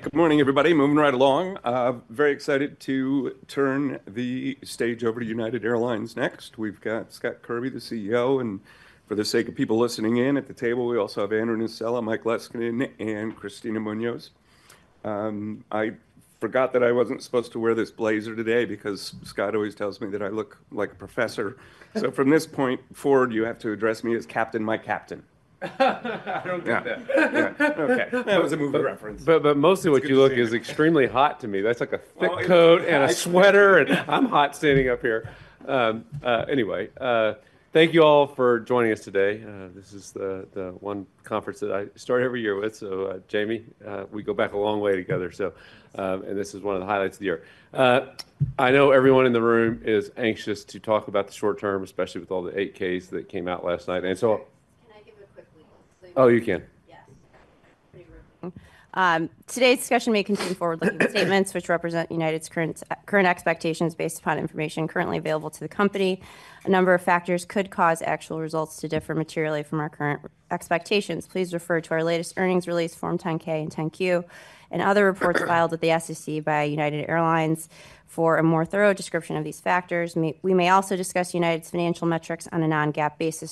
Good morning, everybody. Moving right along. Very excited to turn the stage over to United Airlines next. We've got Scott Kirby, the CEO, and for the sake of people listening in at the table, we also have Andrew Nocella, Mike Leskinen, and Kristina Munoz. I forgot that I wasn't supposed to wear this blazer today because Scott always tells me that I look like a professor. From this point forward, you have to address me as Captain My Captain. I don't think that. Yeah. Okay. That was a move of reference. Mostly what you look is extremely hot to me. That's like a thick coat and a sweater, and I'm hot standing up here. Anyway, thank you all for joining us today. This is the one conference that I start every year with. Jamie, we go back a long way together. This is one of the highlights of the year. I know everyone in the room is anxious to talk about the short term, especially with all the 8-Ks that came out last night. Can I give a quick wink? Oh, you can. Yes. Pretty rude. Today's discussion may contain forward-looking statements which represent United's current expectations based upon information currently available to the company. A number of factors could cause actual results to differ materially from our current expectations. Please refer to our latest earnings release, Form 10-K and 10-Q, and other reports filed with the SEC by United Airlines for a more thorough description of these factors. We may also discuss United's financial metrics on a non-GAAP basis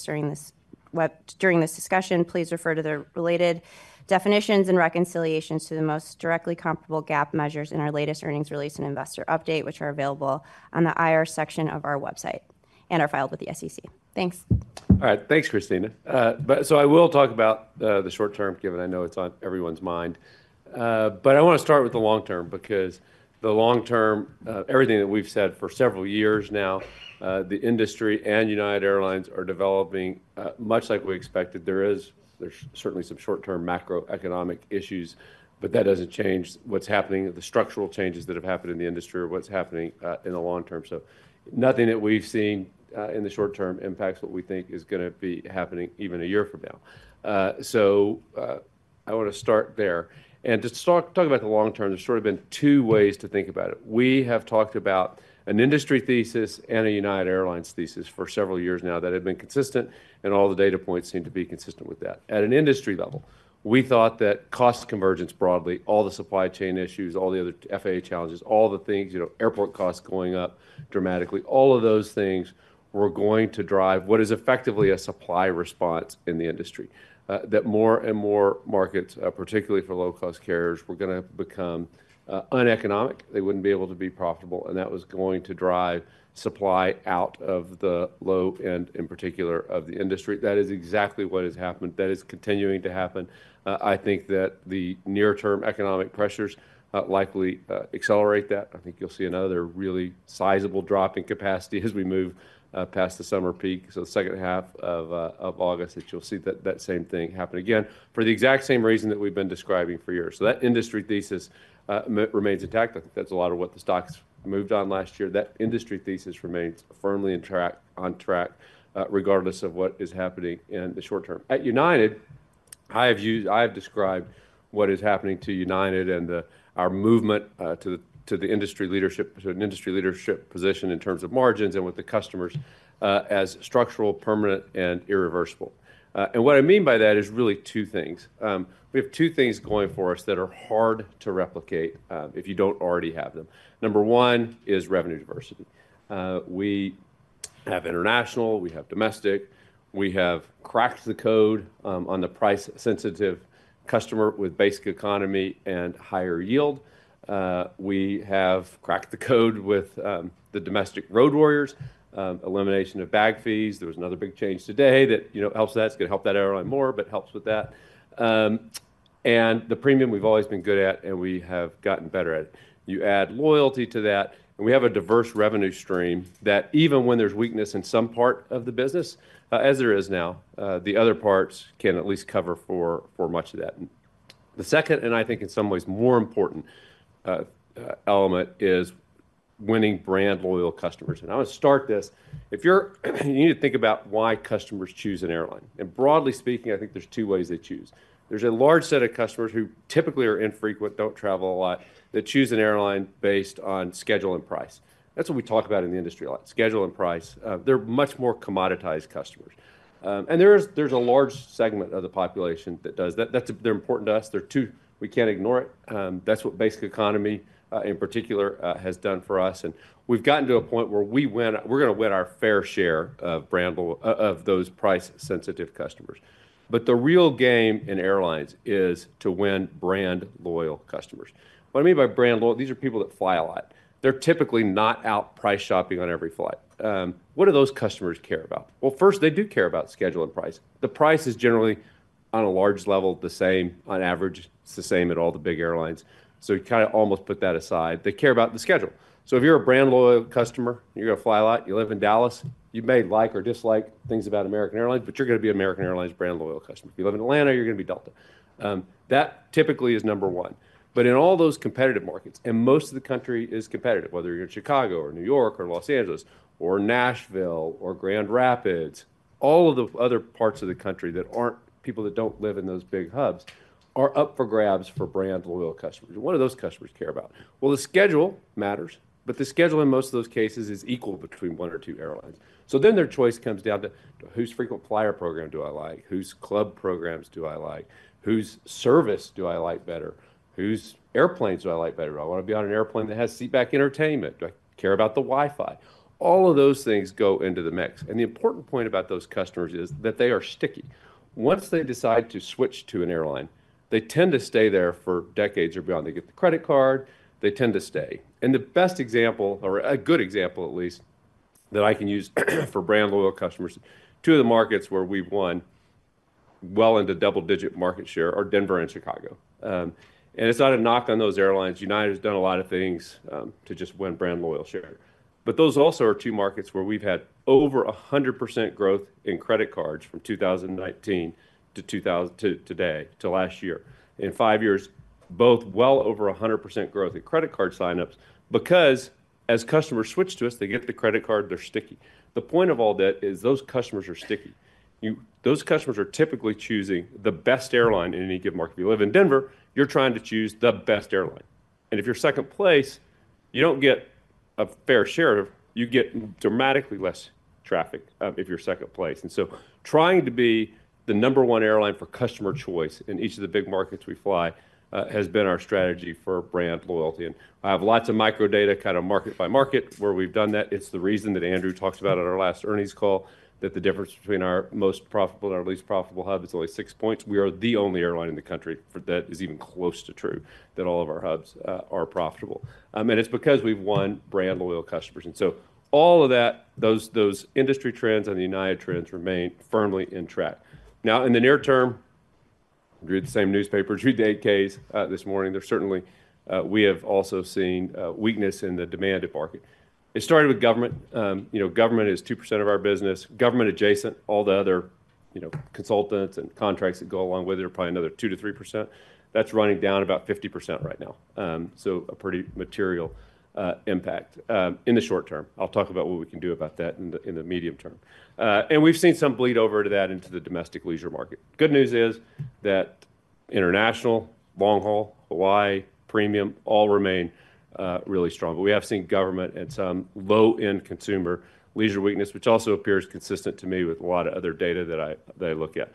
during this discussion. Please refer to the related definitions and reconciliations to the most directly comparable GAAP measures in our latest earnings release and investor update, which are available on the IR section of our website and are filed with the SEC. Thanks. All right. Thanks, Kristina. I will talk about the short term, given I know it's on everyone's mind. I want to start with the long term because the long term, everything that we've said for several years now, the industry and United Airlines are developing much like we expected. There are certainly some short-term macroeconomic issues, but that doesn't change what's happening. The structural changes that have happened in the industry are what's happening in the long term. Nothing that we've seen in the short term impacts what we think is going to be happening even a year from now. I want to start there. To talk about the long term, there's sort of been two ways to think about it. We have talked about an industry thesis and a United Airlines thesis for several years now that have been consistent, and all the data points seem to be consistent with that. At an industry level, we thought that cost convergence broadly, all the supply chain issues, all the other FAA challenges, all the things, airport costs going up dramatically, all of those things were going to drive what is effectively a supply response in the industry. That more and more markets, particularly for low-cost carriers, were going to become uneconomic. They would not be able to be profitable. That was going to drive supply out of the low end, in particular of the industry. That is exactly what has happened. That is continuing to happen. I think that the near-term economic pressures likely accelerate that. I think you'll see another really sizable drop in capacity as we move past the summer peak, the second half of August, that you'll see that same thing happen again for the exact same reason that we've been describing for years. That industry thesis remains intact. I think that's a lot of what the stocks moved on last year. That industry thesis remains firmly on track regardless of what is happening in the short term. At United, I have described what is happening to United and our movement to the industry leadership, to an industry leadership position in terms of margins and with the customers as structural, permanent, and irreversible. What I mean by that is really two things. We have two things going for us that are hard to replicate if you do not already have them. Number one is revenue diversity. We have international. We have domestic. We have cracked the code on the price-sensitive customer with Basic Economy and higher yield. We have cracked the code with the domestic road warriors, elimination of bag fees. There was another big change today that helps that. It is going to help that airline more, but helps with that. The premium we have always been good at, and we have gotten better at it. You add loyalty to that, and we have a diverse revenue stream that even when there is weakness in some part of the business, as there is now, the other parts can at least cover for much of that. The second, and I think in some ways more important element, is winning brand loyal customers. I want to start this. If you are, you need to think about why customers choose an airline. Broadly speaking, I think there are two ways they choose. There's a large set of customers who typically are infrequent, don't travel a lot, that choose an airline based on schedule and price. That's what we talk about in the industry a lot. Schedule and price. They're much more commoditized customers. There's a large segment of the population that does. They're important to us. We can't ignore it. That's what Basic Economy in particular has done for us. We've gotten to a point where we're going to win our fair share of those price-sensitive customers. The real game in airlines is to win brand loyal customers. What I mean by brand loyal, these are people that fly a lot. They're typically not out price shopping on every flight. What do those customers care about? First, they do care about schedule and price. The price is generally, on a large level, the same. On average, it's the same at all the big airlines. You kind of almost put that aside. They care about the schedule. If you're a brand loyal customer, you're going to fly a lot. You live in Dallas. You may like or dislike things about American Airlines, but you're going to be an American Airlines brand loyal customer. If you live in Atlanta, you're going to be Delta. That typically is number one. In all those competitive markets, and most of the country is competitive, whether you're in Chicago or New York or Los Angeles or Nashville or Grand Rapids, all of the other parts of the country that aren't people that don't live in those big hubs are up for grabs for brand loyal customers. What do those customers care about? The schedule matters, but the schedule in most of those cases is equal between one or two airlines. Their choice comes down to whose frequent flyer program do I like? Whose club programs do I like? Whose service do I like better? Whose airplanes do I like better? Do I want to be on an airplane that has seatback entertainment? Do I care about the Wi-Fi? All of those things go into the mix. The important point about those customers is that they are sticky. Once they decide to switch to an airline, they tend to stay there for decades or beyond. They get the credit card. They tend to stay. A good example at least that I can use for brand loyal customers, two of the markets where we have won well into double-digit market share are Denver and Chicago. It is not a knock on those airlines. United has done a lot of things to just win brand loyal share. Those also are two markets where we have had over 100% growth in credit cards from 2019 to today to last year. In five years, both well over 100% growth in credit card signups because as customers switch to us, they get the credit card. They are sticky. The point of all that is those customers are sticky. Those customers are typically choosing the best airline in any given market. If you live in Denver, you are trying to choose the best airline. If you are second place, you do not get a fair share of it. You get dramatically less traffic if you are second place. Trying to be the number one airline for customer choice in each of the big markets we fly has been our strategy for brand loyalty. I have lots of microdata kind of market by market where we've done that. It's the reason that Andrew talked about at our last earnings call, that the difference between our most profitable and our least profitable hub is only six points. We are the only airline in the country that is even close to true that all of our hubs are profitable. It's because we've won brand loyal customers. All of that, those industry trends and the United trends remain firmly in track. Now, in the near term, read the same newspapers, read the 8-Ks this morning. We have also seen weakness in the demanded market. It started with government. Government is 2% of our business. Government adjacent, all the other consultants and contracts that go along with it are probably another 2%-3%. That is running down about 50% right now. A pretty material impact in the short term. I will talk about what we can do about that in the medium term. We have seen some bleed over to that into the domestic leisure market. The good news is that international, long-haul, Hawaii, premium all remain really strong. We have seen government and some low-end consumer leisure weakness, which also appears consistent to me with a lot of other data that I look at.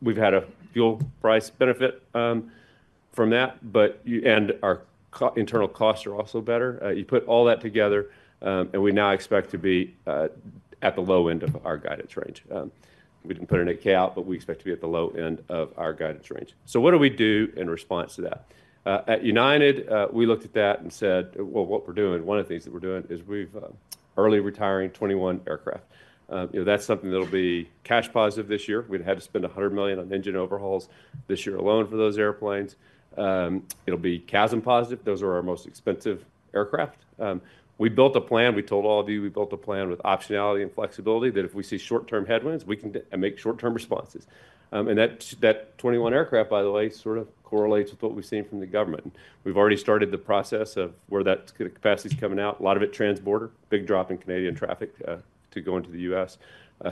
We have had a fuel price benefit from that, and our internal costs are also better. You put all that together, and we now expect to be at the low end of our guidance range. We did not put an 8-K out, but we expect to be at the low end of our guidance range. What do we do in response to that? At United, we looked at that and said, you know, what we are doing, one of the things that we are doing is we are early retiring 21 aircraft. That is something that will be cash positive this year. We have had to spend $100 million on engine overhauls this year alone for those airplanes. It will be CASM positive. Those are our most expensive aircraft. We built a plan. We told all of you, we built a plan with optionality and flexibility that if we see short-term headwinds, we can make short-term responses. That 21 aircraft, by the way, sort of correlates with what we have seen from the government. We have already started the process of where that capacity is coming out. A lot of it trans-border, big drop in Canadian traffic to go into the U.S.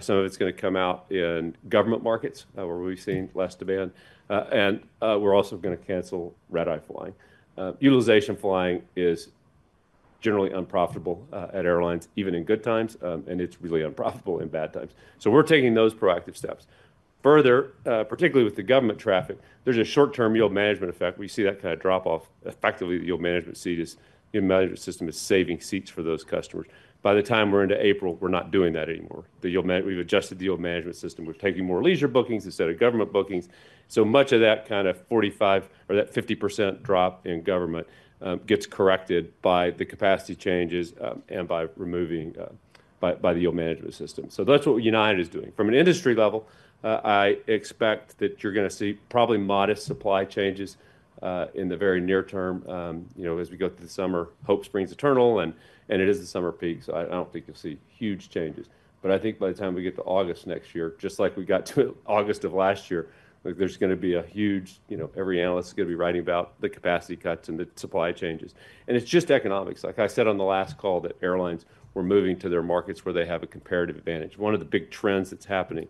Some of it's going to come out in government markets where we've seen less demand. We're also going to cancel red-eye flying. Utilization flying is generally unprofitable at airlines, even in good times, and it's really unprofitable in bad times. We're taking those proactive steps. Further, particularly with the government traffic, there's a short-term yield management effect. We see that kind of drop off. Effectively, the yield management system is saving seats for those customers. By the time we're into April, we're not doing that anymore. We've adjusted the yield management system. We're taking more leisure bookings instead of government bookings. Much of that kind of 45% or that 50% drop in government gets corrected by the capacity changes and by removing by the yield management system. That's what United is doing. From an industry level, I expect that you're going to see probably modest supply changes in the very near term. As we go through the summer, hope springs eternal, and it is the summer peak. I don't think you'll see huge changes. I think by the time we get to August next year, just like we got to August of last year, there's going to be a huge every analyst is going to be writing about the capacity cuts and the supply changes. It's just economics. Like I said on the last call, airlines were moving to their markets where they have a comparative advantage. One of the big trends that's happening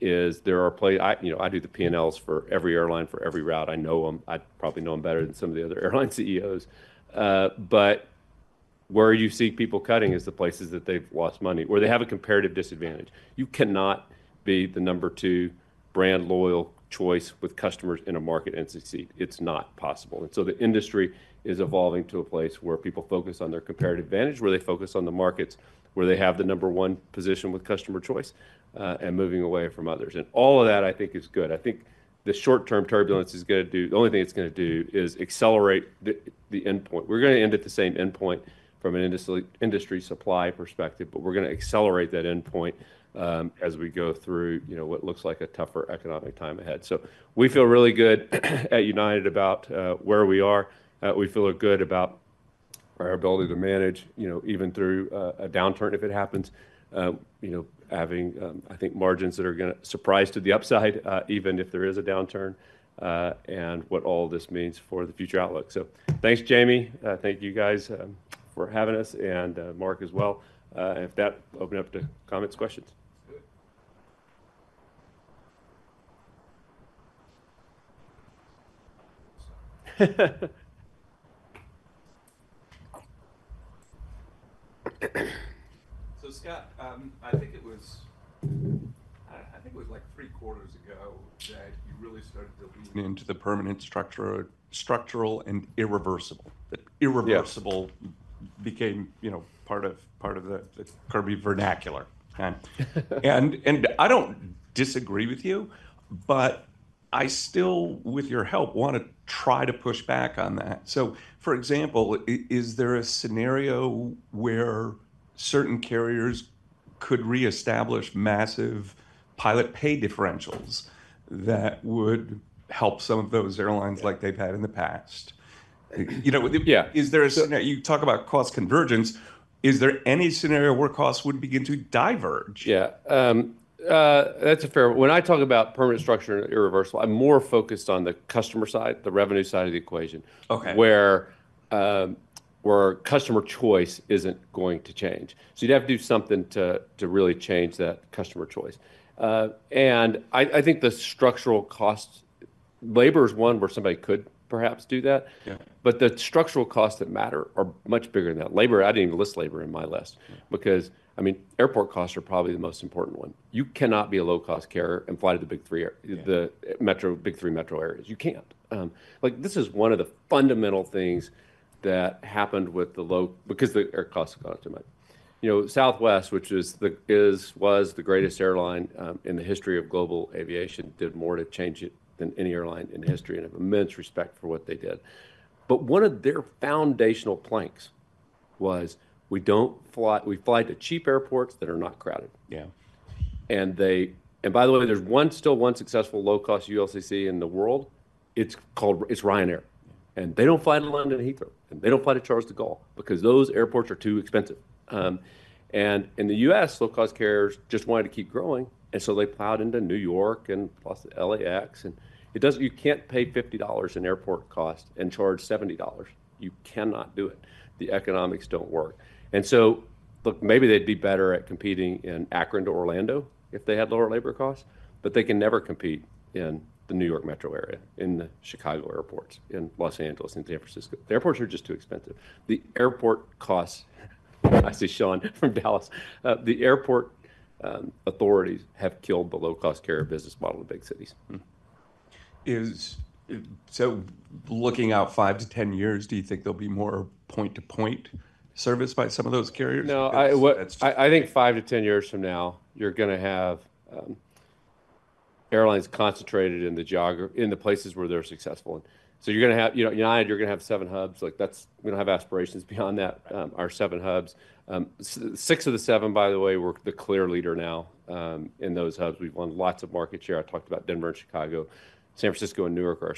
is there are I do the P&Ls for every airline for every route. I know them. I probably know them better than some of the other airline CEOs. Where you see people cutting is the places that they've lost money where they have a comparative disadvantage. You cannot be the number two brand loyal choice with customers in a market and succeed. It's not possible. The industry is evolving to a place where people focus on their comparative advantage, where they focus on the markets where they have the number one position with customer choice and moving away from others. All of that, I think, is good. I think the short-term turbulence is going to do the only thing it's going to do, which is accelerate the endpoint. We're going to end at the same endpoint from an industry supply perspective, but we're going to accelerate that endpoint as we go through what looks like a tougher economic time ahead. We feel really good at United about where we are. We feel good about our ability to manage even through a downturn if it happens, having, I think, margins that are going to surprise to the upside even if there is a downturn and what all of this means for the future outlook. Thank you, Jamie. Thank you, guys, for having us and Mark as well. If that opened up to comments, questions. Scott, I think it was like three quarters ago that you really started to lean into the permanent structural and irreversible. The irreversible became part of the Kirby vernacular. I don't disagree with you, but I still, with your help, want to try to push back on that. For example, is there a scenario where certain carriers could reestablish massive pilot pay differentials that would help some of those airlines like they've had in the past? You talk about cost convergence. Is there any scenario where costs would begin to diverge? Yeah. That's a fair one. When I talk about permanent structure and irreversible, I'm more focused on the customer side, the revenue side of the equation where customer choice isn't going to change. You'd have to do something to really change that customer choice. I think the structural cost labor is one where somebody could perhaps do that. The structural costs that matter are much bigger than that. Labor, I didn't even list labor in my list because, I mean, airport costs are probably the most important one. You cannot be a low-cost carrier and fly to the big three metro areas. You can't. This is one of the fundamental things that happened with the low because the air costs got too much. Southwest, which was the greatest airline in the history of global aviation, did more to change it than any airline in history. I have immense respect for what they did. One of their foundational planks was we fly to cheap airports that are not crowded. By the way, there is still one successful low-cost ULCC in the world. It is Ryanair. They do not fly to London Heathrow. They do not fly to Charles de Gaulle because those airports are too expensive. In the U.S., low-cost carriers just wanted to keep growing. They plowed into New York and LAX. You cannot pay $50 in airport cost and charge $70. You cannot do it. The economics do not work. Maybe they would be better at competing in Akron to Orlando if they had lower labor costs. They can never compete in the New York metro area, in the Chicago airports, in Los Angeles, in San Francisco. The airports are just too expensive. The airport costs, I see Shawn from Dallas. The airport authorities have killed the low-cost carrier business model in big cities. Looking out five to ten years, do you think there'll be more point-to-point service by some of those carriers? No. I think five to 10 years from now, you're going to have airlines concentrated in the places where they're successful. United, you're going to have seven hubs. We don't have aspirations beyond that, our seven hubs. Six of the seven, by the way, we're the clear leader now in those hubs. We've won lots of market share. I talked about Denver and Chicago. San Francisco and New York are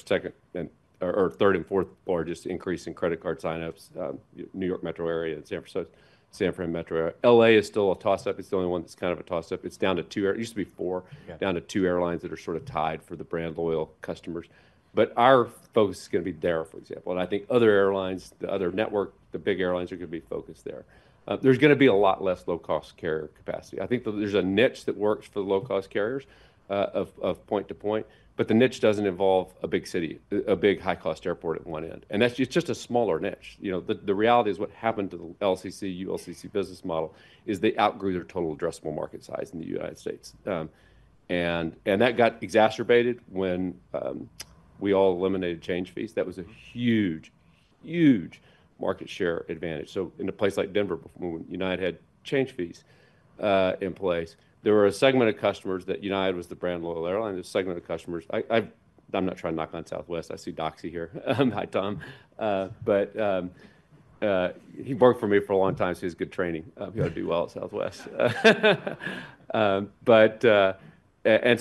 our third and fourth largest increase in credit card signups, New York metro area and San Francisco metro area. LA is still a toss-up. It's the only one that's kind of a toss-up. It's down to two airlines. It used to be four, down to two airlines that are sort of tied for the brand loyal customers. Our focus is going to be there, for example. I think other airlines, the other network, the big airlines are going to be focused there. There is going to be a lot less low-cost carrier capacity. I think there is a niche that works for the low-cost carriers of point-to-point. The niche does not involve a big city, a big high-cost airport at one end. It is just a smaller niche. The reality is what happened to the LCC, ULCC business model is they outgrew their total addressable market size in the United States. That got exacerbated when we all eliminated change fees. That was a huge, huge market share advantage. In a place like Denver, when United had change fees in place, there were a segment of customers that United was the brand loyal airline. There is a segment of customers, I am not trying to knock on Southwest. I see Doxey here. Hi, Tom. He worked for me for a long time, so he has good training. He ought to do well at Southwest.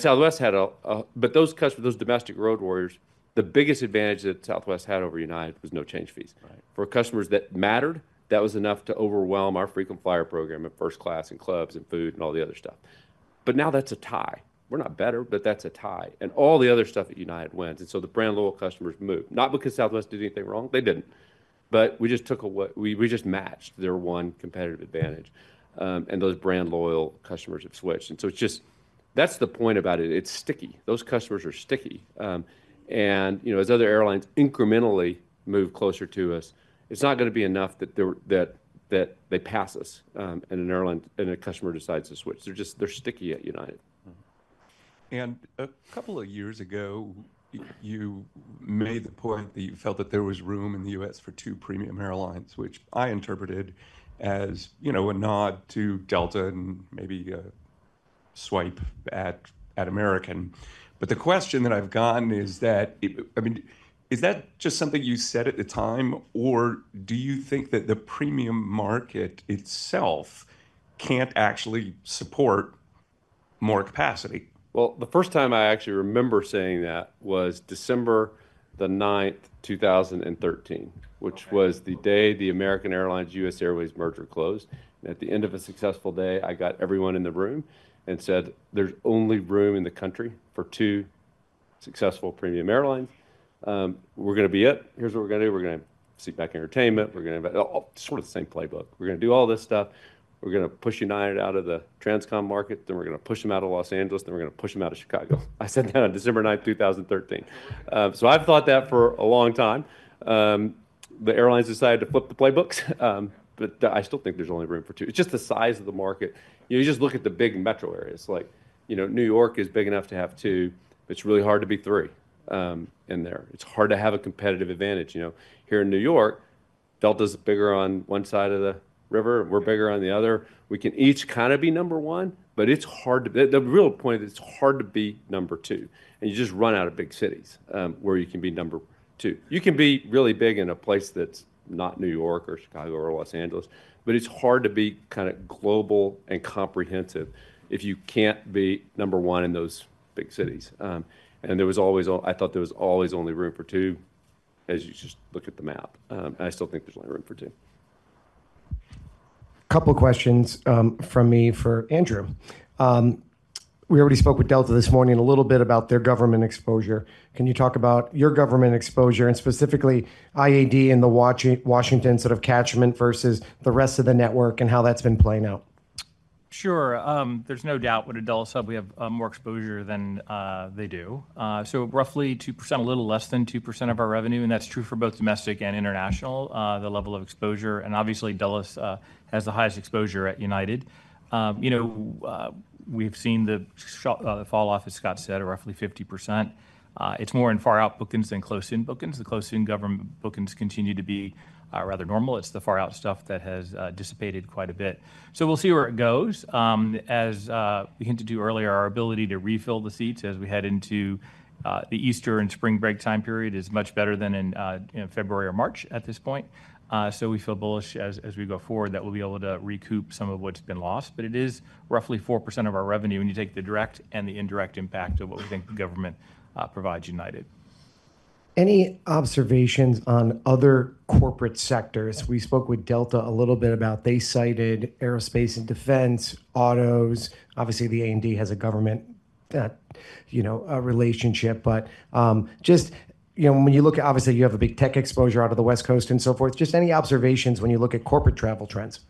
Southwest had those domestic road warriors, the biggest advantage that Southwest had over United was no change fees. For customers that mattered, that was enough to overwhelm our frequent flyer program at first class and clubs and food and all the other stuff. Now that's a tie. We're not better, but that's a tie. All the other stuff at United wins. The brand loyal customers move. Not because Southwest did anything wrong. They did not. We just matched their one competitive advantage. Those brand loyal customers have switched. That is the point about it. It is sticky. Those customers are sticky. As other airlines incrementally move closer to us, it's not going to be enough that they pass us and an airline and a customer decides to switch. They're sticky at United. A couple of years ago, you made the point that you felt that there was room in the U.S. for two premium airlines, which I interpreted as a nod to Delta and maybe a swipe at American. The question that I've gotten is that, I mean, is that just something you said at the time, or do you think that the premium market itself can't actually support more capacity? The first time I actually remember saying that was December 9, 2013, which was the day the American Airlines-US Airways merger closed. At the end of a successful day, I got everyone in the room and said, "There's only room in the country for two successful premium airlines. We're going to be it. Here's what we're going to do. We're going to seatback entertainment. We're going to invite all sort of the same playbook. We're going to do all this stuff. We're going to push United out of the Transcon market. Then we're going to push them out of Los Angeles. Then we're going to push them out of Chicago." I said that on December 9, 2013. I have thought that for a long time. The airlines decided to flip the playbooks. I still think there's only room for two. It's just the size of the market. You just look at the big metro areas. New York is big enough to have two. It's really hard to be three in there. It's hard to have a competitive advantage. Here in New York, Delta's bigger on one side of the river. We're bigger on the other. We can each kind of be number one, but the real point is it's hard to be number two. You just run out of big cities where you can be number two. You can be really big in a place that's not New York or Chicago or Los Angeles. It's hard to be kind of global and comprehensive if you can't be number one in those big cities. I thought there was always only room for two as you just look at the map. I still think there's only room for two. A couple of questions from me for Andrew. We already spoke with Delta this morning a little bit about their government exposure. Can you talk about your government exposure and specifically IAD and the Washington sort of catchment versus the rest of the network and how that's been playing out? Sure. There's no doubt when a Dulles hub, we have more exposure than they do. So roughly 2%, a little less than 2% of our revenue. And that's true for both domestic and international, the level of exposure. Obviously, Dulles has the highest exposure at United. We've seen the fall off, as Scott said, of roughly 50%. It's more in far-out bookings than close-in bookings. The close-in government bookings continue to be rather normal. It's the far-out stuff that has dissipated quite a bit. We'll see where it goes. As we hinted to earlier, our ability to refill the seats as we head into the Easter and spring break time period is much better than in February or March at this point. We feel bullish as we go forward that we'll be able to recoup some of what's been lost. It is roughly 4% of our revenue when you take the direct and the indirect impact of what we think the government provides United. Any observations on other corporate sectors? We spoke with Delta a little bit about they cited aerospace and defense, autos. Obviously, the A&D has a government relationship. Just when you look at obviously, you have a big tech exposure out of the West Coast and so forth. Just any observations when you look at corporate travel trends?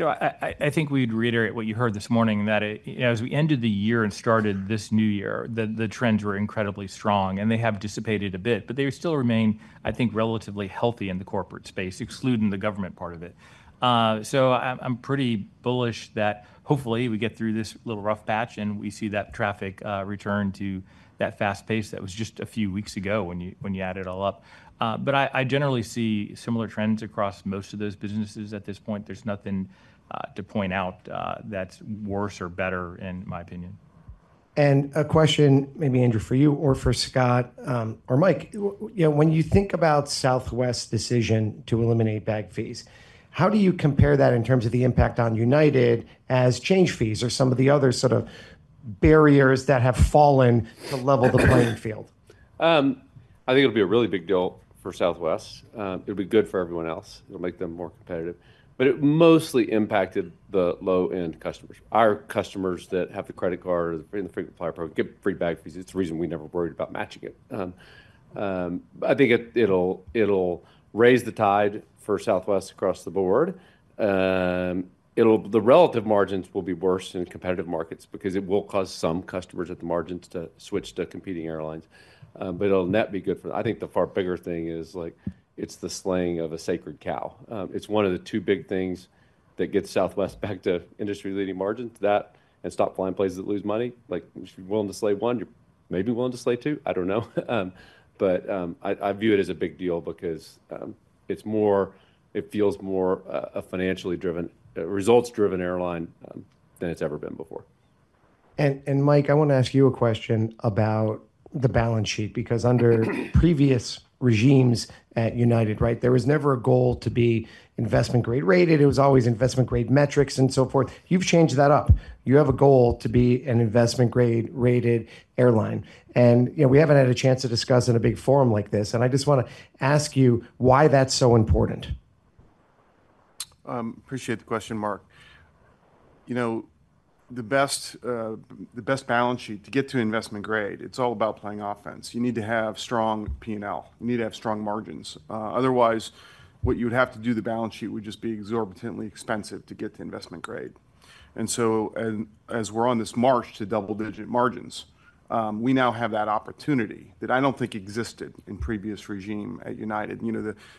I think we'd reiterate what you heard this morning that as we ended the year and started this new year, the trends were incredibly strong. They have dissipated a bit. They still remain, I think, relatively healthy in the corporate space, excluding the government part of it. I'm pretty bullish that hopefully we get through this little rough patch and we see that traffic return to that fast pace that was just a few weeks ago when you add it all up. I generally see similar trends across most of those businesses at this point. There's nothing to point out that's worse or better, in my opinion. A question, maybe, Andrew, for you or for Scott or Mike. When you think about Southwest's decision to eliminate bag fees, how do you compare that in terms of the impact on United as change fees or some of the other sort of barriers that have fallen to level the playing field? I think it'll be a really big deal for Southwest. It'll be good for everyone else. It'll make them more competitive. It mostly impacted the low-end customers. Our customers that have the credit card or the frequent flyer program get free bag fees. It's the reason we never worried about matching it. I think it'll raise the tide for Southwest across the board. The relative margins will be worse in competitive markets because it will cause some customers at the margins to switch to competing airlines. It'll net be good for them. I think the far bigger thing is it's the slaying of a sacred cow. It's one of the two big things that gets Southwest back to industry-leading margins, that and stop flying places that lose money. If you're willing to slay one, you're maybe willing to slay two. I don't know. I view it as a big deal because it feels more a financially driven, results-driven airline than it's ever been before. Mike, I want to ask you a question about the balance sheet because under previous regimes at United, there was never a goal to be investment-grade rated. It was always investment-grade metrics and so forth. You have changed that up. You have a goal to be an investment-grade rated airline. We have not had a chance to discuss in a big forum like this. I just want to ask you why that is so important. Appreciate the question, Mark. The best balance sheet to get to investment grade, it's all about playing offense. You need to have strong P&L. You need to have strong margins. Otherwise, what you would have to do, the balance sheet would just be exorbitantly expensive to get to investment grade. As we're on this march to double-digit margins, we now have that opportunity that I don't think existed in previous regime at United.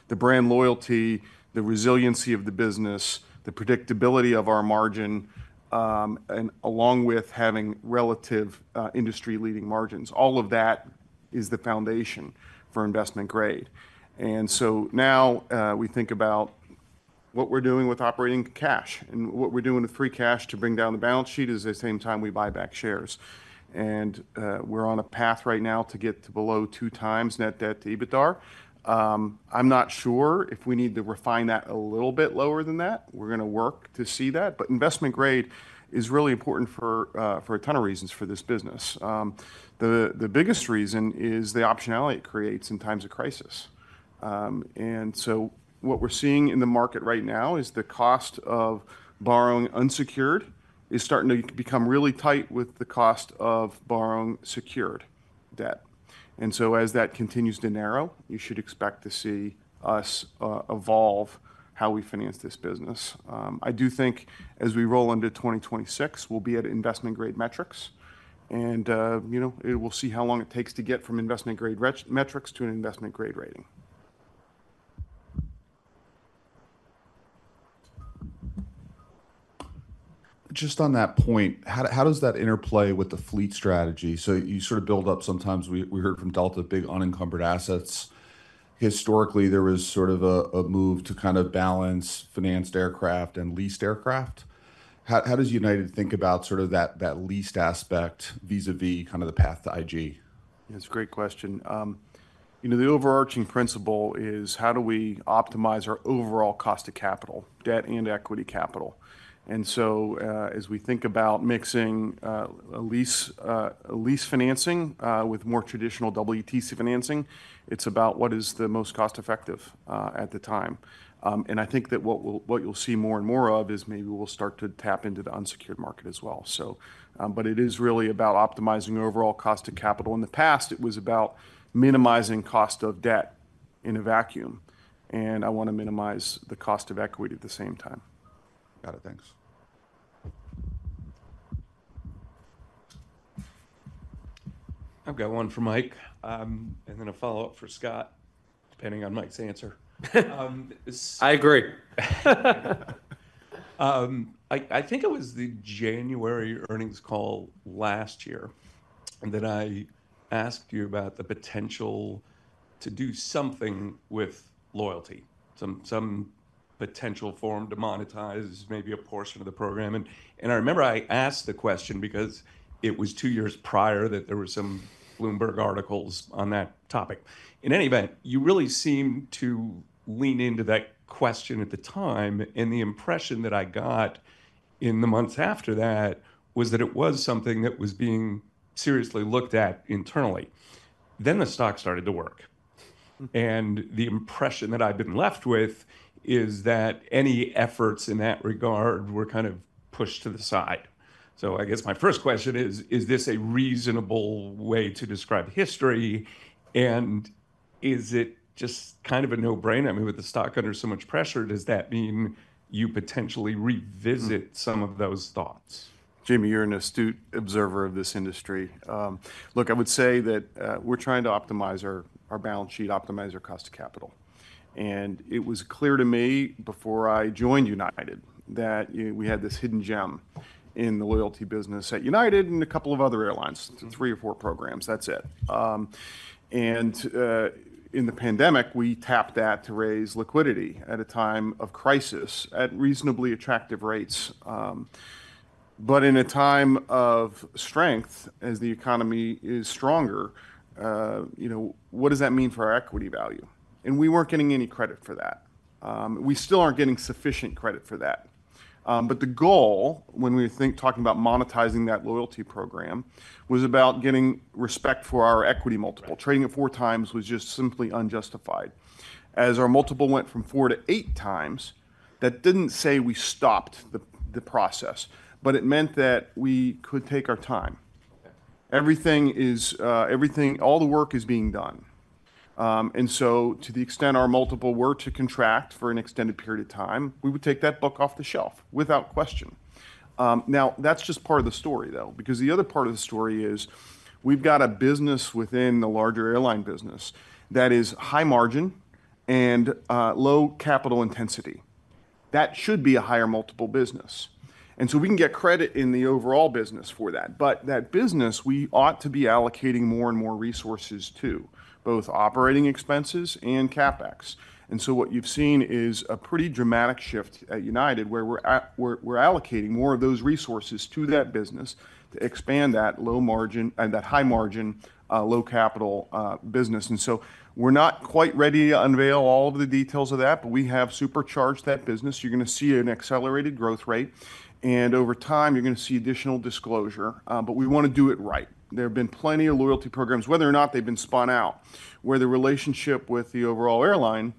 The brand loyalty, the resiliency of the business, the predictability of our margin, and along with having relative industry-leading margins, all of that is the foundation for investment grade. Now we think about what we're doing with operating cash. What we're doing with free cash to bring down the balance sheet is at the same time we buy back shares. We're on a path right now to get to below two times net debt to EBITDA. I'm not sure if we need to refine that a little bit lower than that. We're going to work to see that. Investment grade is really important for a ton of reasons for this business. The biggest reason is the optionality it creates in times of crisis. What we're seeing in the market right now is the cost of borrowing unsecured is starting to become really tight with the cost of borrowing secured debt. As that continues to narrow, you should expect to see us evolve how we finance this business. I do think as we roll into 2026, we'll be at investment-grade metrics. We'll see how long it takes to get from investment-grade metrics to an investment-grade rating. Just on that point, how does that interplay with the fleet strategy? You sort of build up, sometimes we heard from Delta, big unencumbered assets. Historically, there was sort of a move to kind of balance financed aircraft and leased aircraft. How does United think about sort of that leased aspect vis-à-vis kind of the path to IG? Yeah, it's a great question. The overarching principle is how do we optimize our overall cost of capital, debt and equity capital. As we think about mixing lease financing with more traditional EETC financing, it's about what is the most cost-effective at the time. I think that what you'll see more and more of is maybe we'll start to tap into the unsecured market as well. It is really about optimizing overall cost of capital. In the past, it was about minimizing cost of debt in a vacuum. I want to minimize the cost of equity at the same time. Got it. Thanks. I've got one for Mike. And then a follow-up for Scott, depending on Mike's answer. I agree. I think it was the January earnings call last year that I asked you about the potential to do something with loyalty, some potential form to monetize maybe a portion of the program. I remember I asked the question because it was two years prior that there were some Bloomberg articles on that topic. In any event, you really seemed to lean into that question at the time. The impression that I got in the months after that was that it was something that was being seriously looked at internally. The stock started to work. The impression that I've been left with is that any efforts in that regard were kind of pushed to the side. I guess my first question is, is this a reasonable way to describe history? Is it just kind of a no-brainer? I mean, with the stock under so much pressure, does that mean you potentially revisit some of those thoughts? Jamie, you're an astute observer of this industry. Look, I would say that we're trying to optimize our balance sheet, optimize our cost of capital. It was clear to me before I joined United that we had this hidden gem in the loyalty business at United and a couple of other airlines, three or four programs. That's it. In the pandemic, we tapped that to raise liquidity at a time of crisis at reasonably attractive rates. In a time of strength, as the economy is stronger, what does that mean for our equity value? We weren't getting any credit for that. We still aren't getting sufficient credit for that. The goal when we were talking about monetizing that loyalty program was about getting respect for our equity multiple. Trading at four times was just simply unjustified. As our multiple went from four to eight times, that did not say we stopped the process. It meant that we could take our time. Everything, all the work is being done. To the extent our multiple were to contract for an extended period of time, we would take that book off the shelf without question. That is just part of the story, though, because the other part of the story is we have got a business within the larger airline business that is high margin and low capital intensity. That should be a higher multiple business. We can get credit in the overall business for that. That business, we ought to be allocating more and more resources to, both operating expenses and CapEx. What you've seen is a pretty dramatic shift at United where we're allocating more of those resources to that business to expand that low margin and that high margin, low capital business. We're not quite ready to unveil all of the details of that, but we have supercharged that business. You're going to see an accelerated growth rate. Over time, you're going to see additional disclosure. We want to do it right. There have been plenty of loyalty programs, whether or not they've been spun out, where the relationship with the overall airline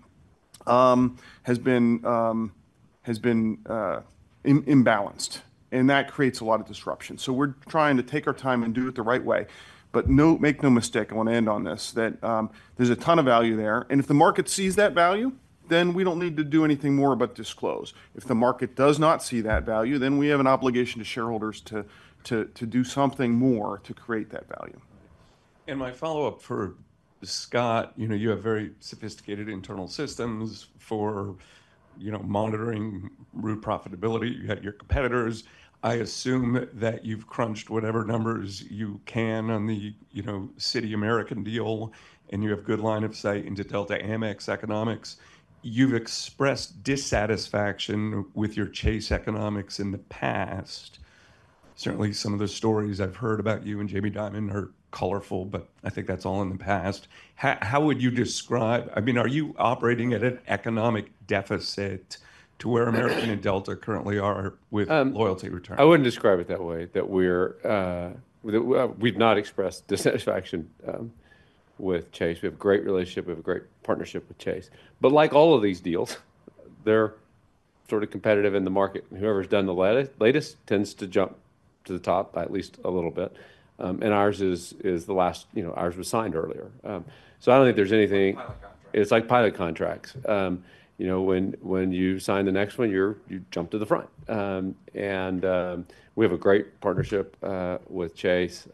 has been imbalanced. That creates a lot of disruption. We're trying to take our time and do it the right way. Make no mistake, I want to end on this, that there's a ton of value there. If the market sees that value, then we do not need to do anything more but disclose. If the market does not see that value, then we have an obligation to shareholders to do something more to create that value. My follow-up for Scott, you have very sophisticated internal systems for monitoring route profitability. You have your competitors. I assume that you've crunched whatever numbers you can on the Citi American deal, and you have good line of sight into Delta Amex Economics. You've expressed dissatisfaction with your Chase Economics in the past. Certainly, some of the stories I've heard about you and Jamie Dimon are colorful, but I think that's all in the past. How would you describe? I mean, are you operating at an economic deficit to where American and Delta currently are with loyalty return? I would not describe it that way, that we have not expressed dissatisfaction with Chase. We have a great relationship. We have a great partnership with Chase. Like all of these deals, they are sort of competitive in the market. Whoever has done the latest tends to jump to the top, at least a little bit. Ours was signed earlier. I do not think there is anything. Pilot contracts. It's like pilot contracts. When you sign the next one, you jump to the front. We have a great partnership with Chase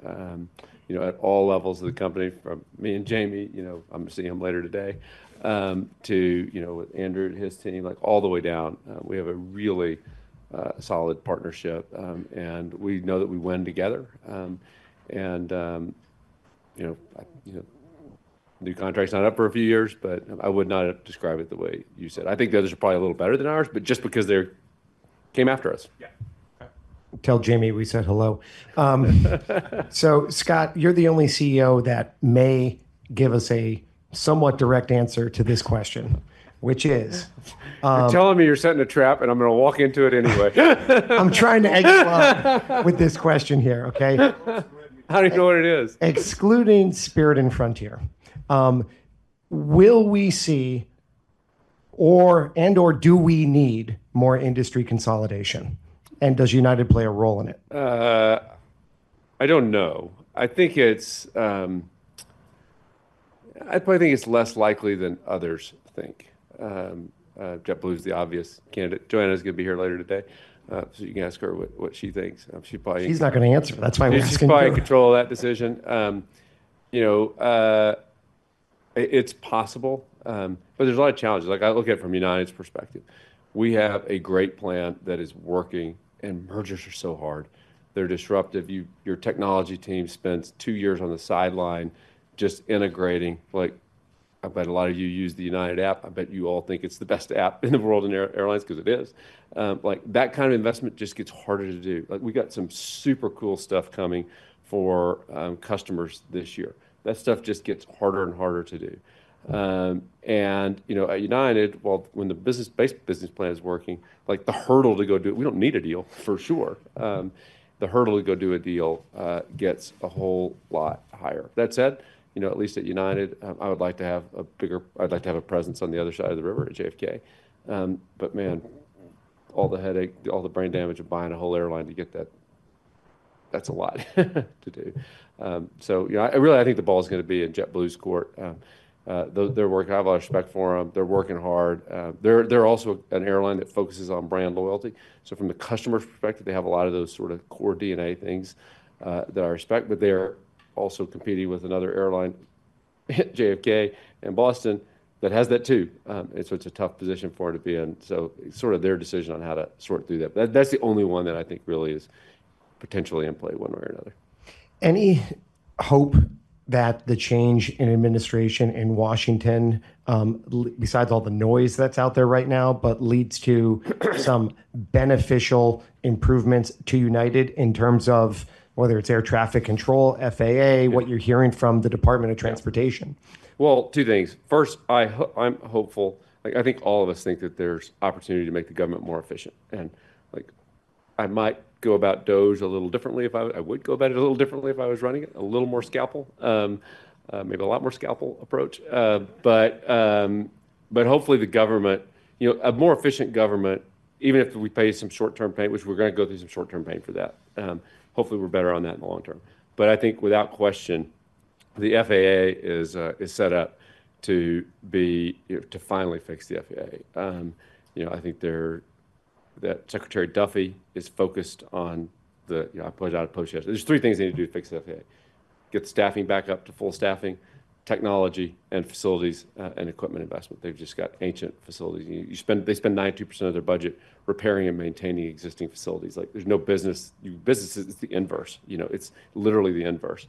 at all levels of the company, from me and Jamie. I'm going to see him later today, to Andrew and his team, all the way down. We have a really solid partnership. We know that we win together. New contracts are not up for a few years, but I would not describe it the way you said. I think theirs are probably a little better than ours, just because they came after us. Yeah. Tell Jamie we said hello. Scott, you're the only CEO that may give us a somewhat direct answer to this question, which is. You're telling me you're setting a trap, and I'm going to walk into it anyway. I'm trying to exclude with this question here, okay? How do you know what it is? Excluding Spirit and Frontier, will we see and/or do we need more industry consolidation? Does United play a role in it? I don't know. I think it's, I probably think it's less likely than others think. JetBlue is the obvious candidate. Joanna is going to be here later today, so you can ask her what she thinks. She's probably. She's not going to answer. That's why we're just going to. She's probably in control of that decision. It's possible. There are a lot of challenges. I look at it from United's perspective. We have a great plan that is working, and mergers are so hard. They're disruptive. Your technology team spends two years on the sideline just integrating. I bet a lot of you use the United app. I bet you all think it's the best app in the world in airlines because it is. That kind of investment just gets harder to do. We've got some super cool stuff coming for customers this year. That stuff just gets harder and harder to do. At United, while when the basic business plan is working, the hurdle to go do it, we don't need a deal, for sure. The hurdle to go do a deal gets a whole lot higher. That said, at least at United, I would like to have a bigger, I'd like to have a presence on the other side of the river at JFK. All the headache, all the brain damage of buying a whole airline to get that, that's a lot to do. I think the ball is going to be in JetBlue's court. They're working. I have a lot of respect for them. They're working hard. They're also an airline that focuses on brand loyalty. From the customer's perspective, they have a lot of those sort of core DNA things that I respect. They're also competing with another airline, JFK and Boston, that has that too. It is a tough position for it to be in. It is sort of their decision on how to sort through that. That is the only one that I think really is potentially in play one way or another. Any hope that the change in administration in Washington, besides all the noise that's out there right now, leads to some beneficial improvements to United in terms of whether it's air traffic control, FAA, what you're hearing from the Department of Transportation? Two things. First, I'm hopeful. I think all of us think that there's opportunity to make the government more efficient. I might go about DOT a little differently if I would go about it a little differently if I was running it, a little more scalpel, maybe a lot more scalpel approach. Hopefully, the government, a more efficient government, even if we pay some short-term pain, which we're going to go through some short-term pain for that, hopefully, we're better on that in the long term. I think without question, the FAA is set up to finally fix the FAA. I think that Secretary Duffy is focused on the, I put it out of push. There's three things they need to do to fix the FAA: get staffing back up to full staffing, technology, and facilities and equipment investment. They've just got ancient facilities. They spend 92% of their budget repairing and maintaining existing facilities. There's no business. Business is the inverse. It's literally the inverse.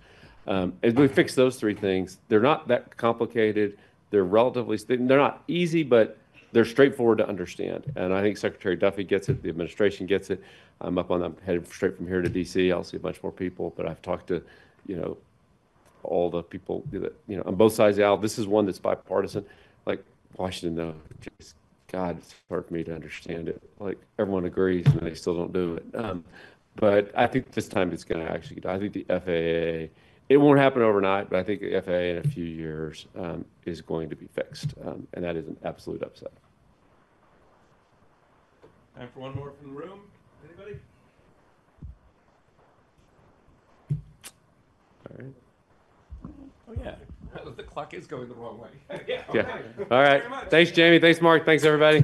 We fix those three things. They're not that complicated. They're not easy, but they're straightforward to understand. I think Secretary Duffy gets it. The administration gets it. I'm up on the head straight from here to DC. I'll see a bunch more people. I've talked to all the people on both sides. This is one that's bipartisan. Washington, though, just God, it's hard for me to understand it. Everyone agrees, and they still don't do it. I think this time it's going to actually get done. I think the FAA, it won't happen overnight, but I think the FAA in a few years is going to be fixed. That is an absolute upset. Time for one more from the room. Anybody? All right. Oh, yeah. The clock is going the wrong way. Yeah. All right. Thanks, Jamie. Thanks, Mark. Thanks, everybody.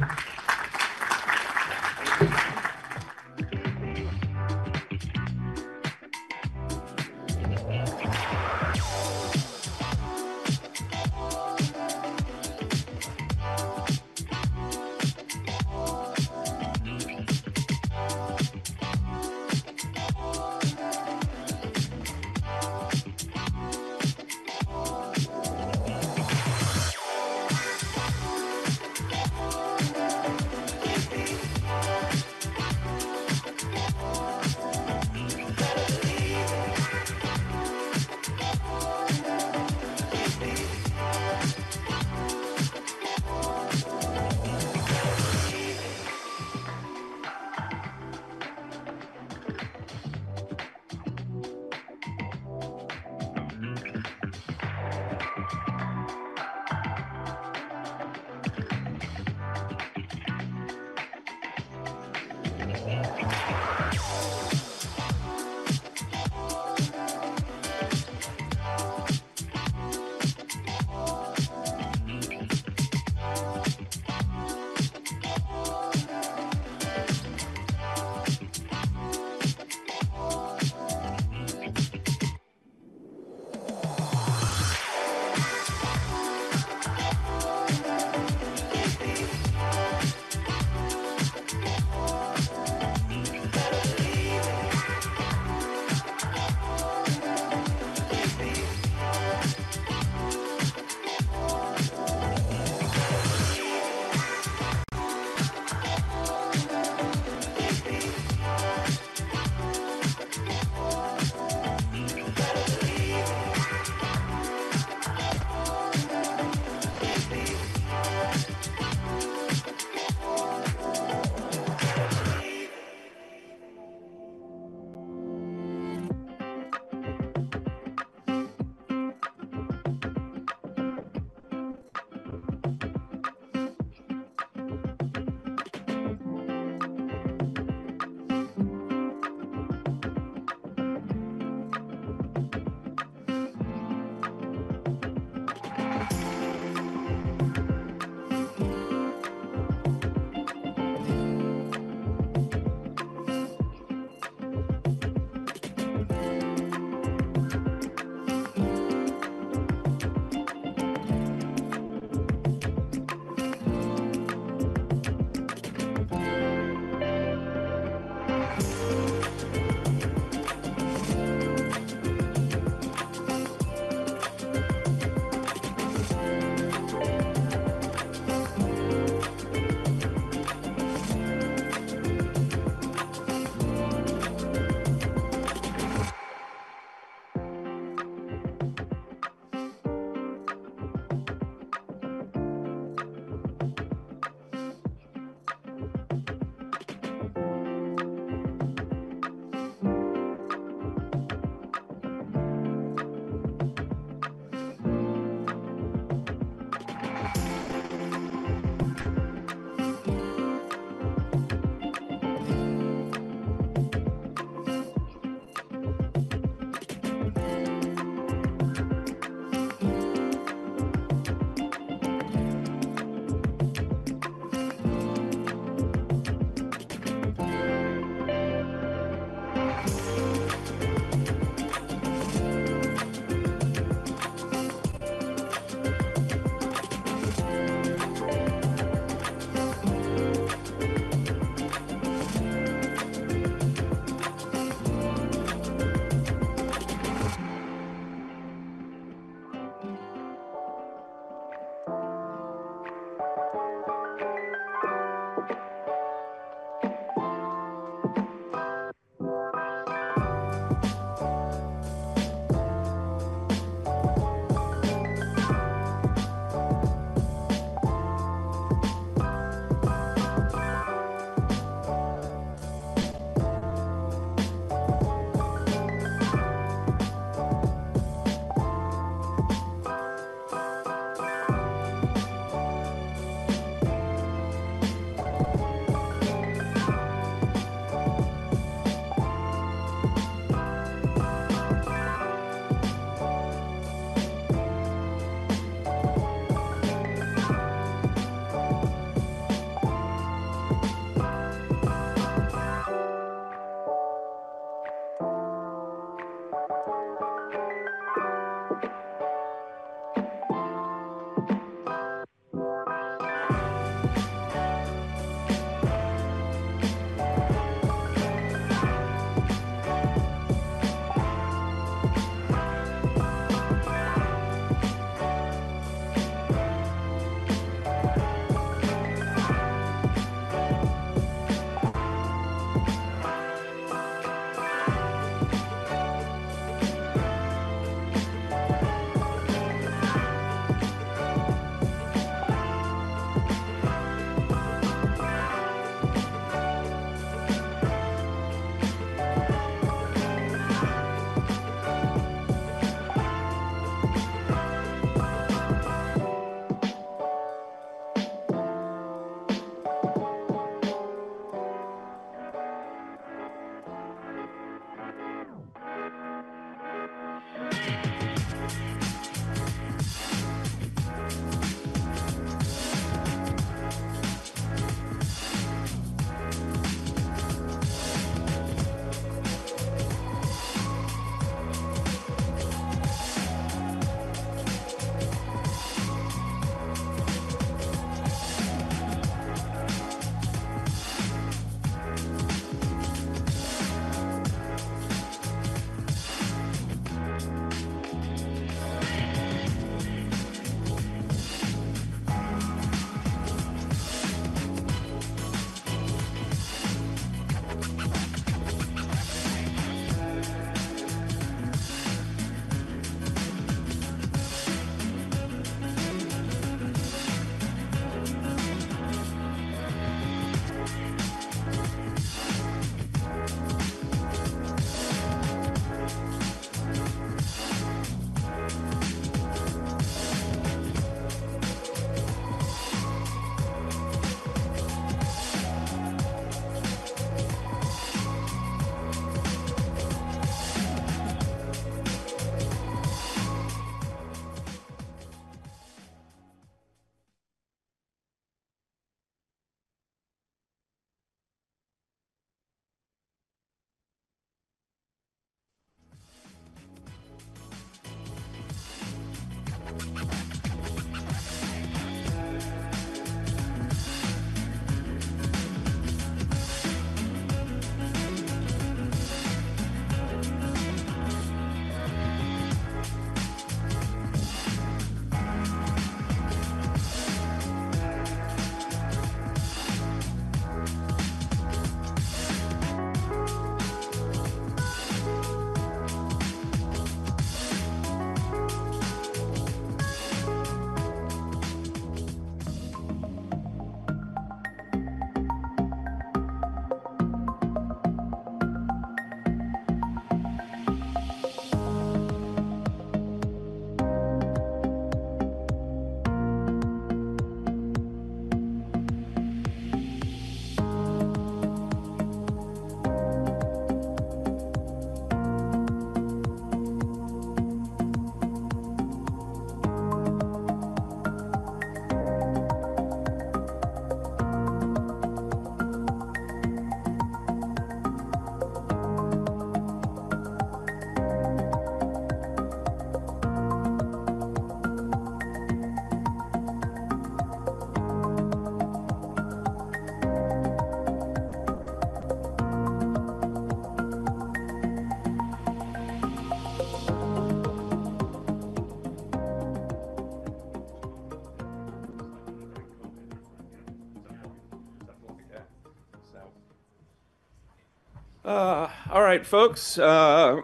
All right, folks,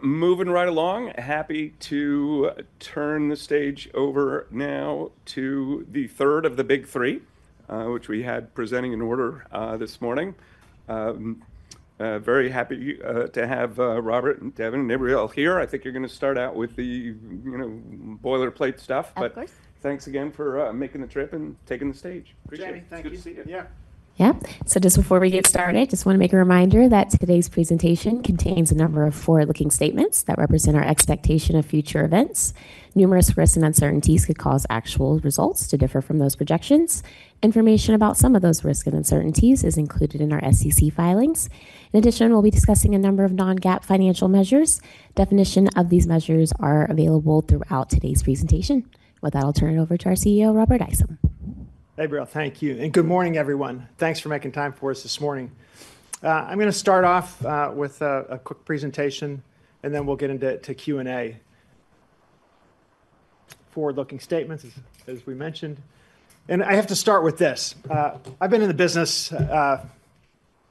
moving right along. Happy to turn the stage over now to the third of the big three, which we had presenting in order this morning. Very happy to have Robert, and Devon, and Abriell here. I think you're going to start out with the boilerplate stuff. Of course. Thanks again for making the trip and taking the stage. Jamie, thank you.. Yeah. Just before we get started, I just want to make a reminder that today's presentation contains a number of forward-looking statements that represent our expectation of future events. Numerous risks and uncertainties could cause actual results to differ from those projections. Information about some of those risks and uncertainties is included in our SEC filings. In addition, we'll be discussing a number of non-GAAP financial measures. Definitions of these measures are available throughout today's presentation. With that, I'll turn it over to our CEO, Robert Isom. Abriell, thank you. Good morning, everyone. Thanks for making time for us this morning. I'm going to start off with a quick presentation, then we'll get into Q&A. Forward-looking statements, as we mentioned. I have to start with this. I've been in the business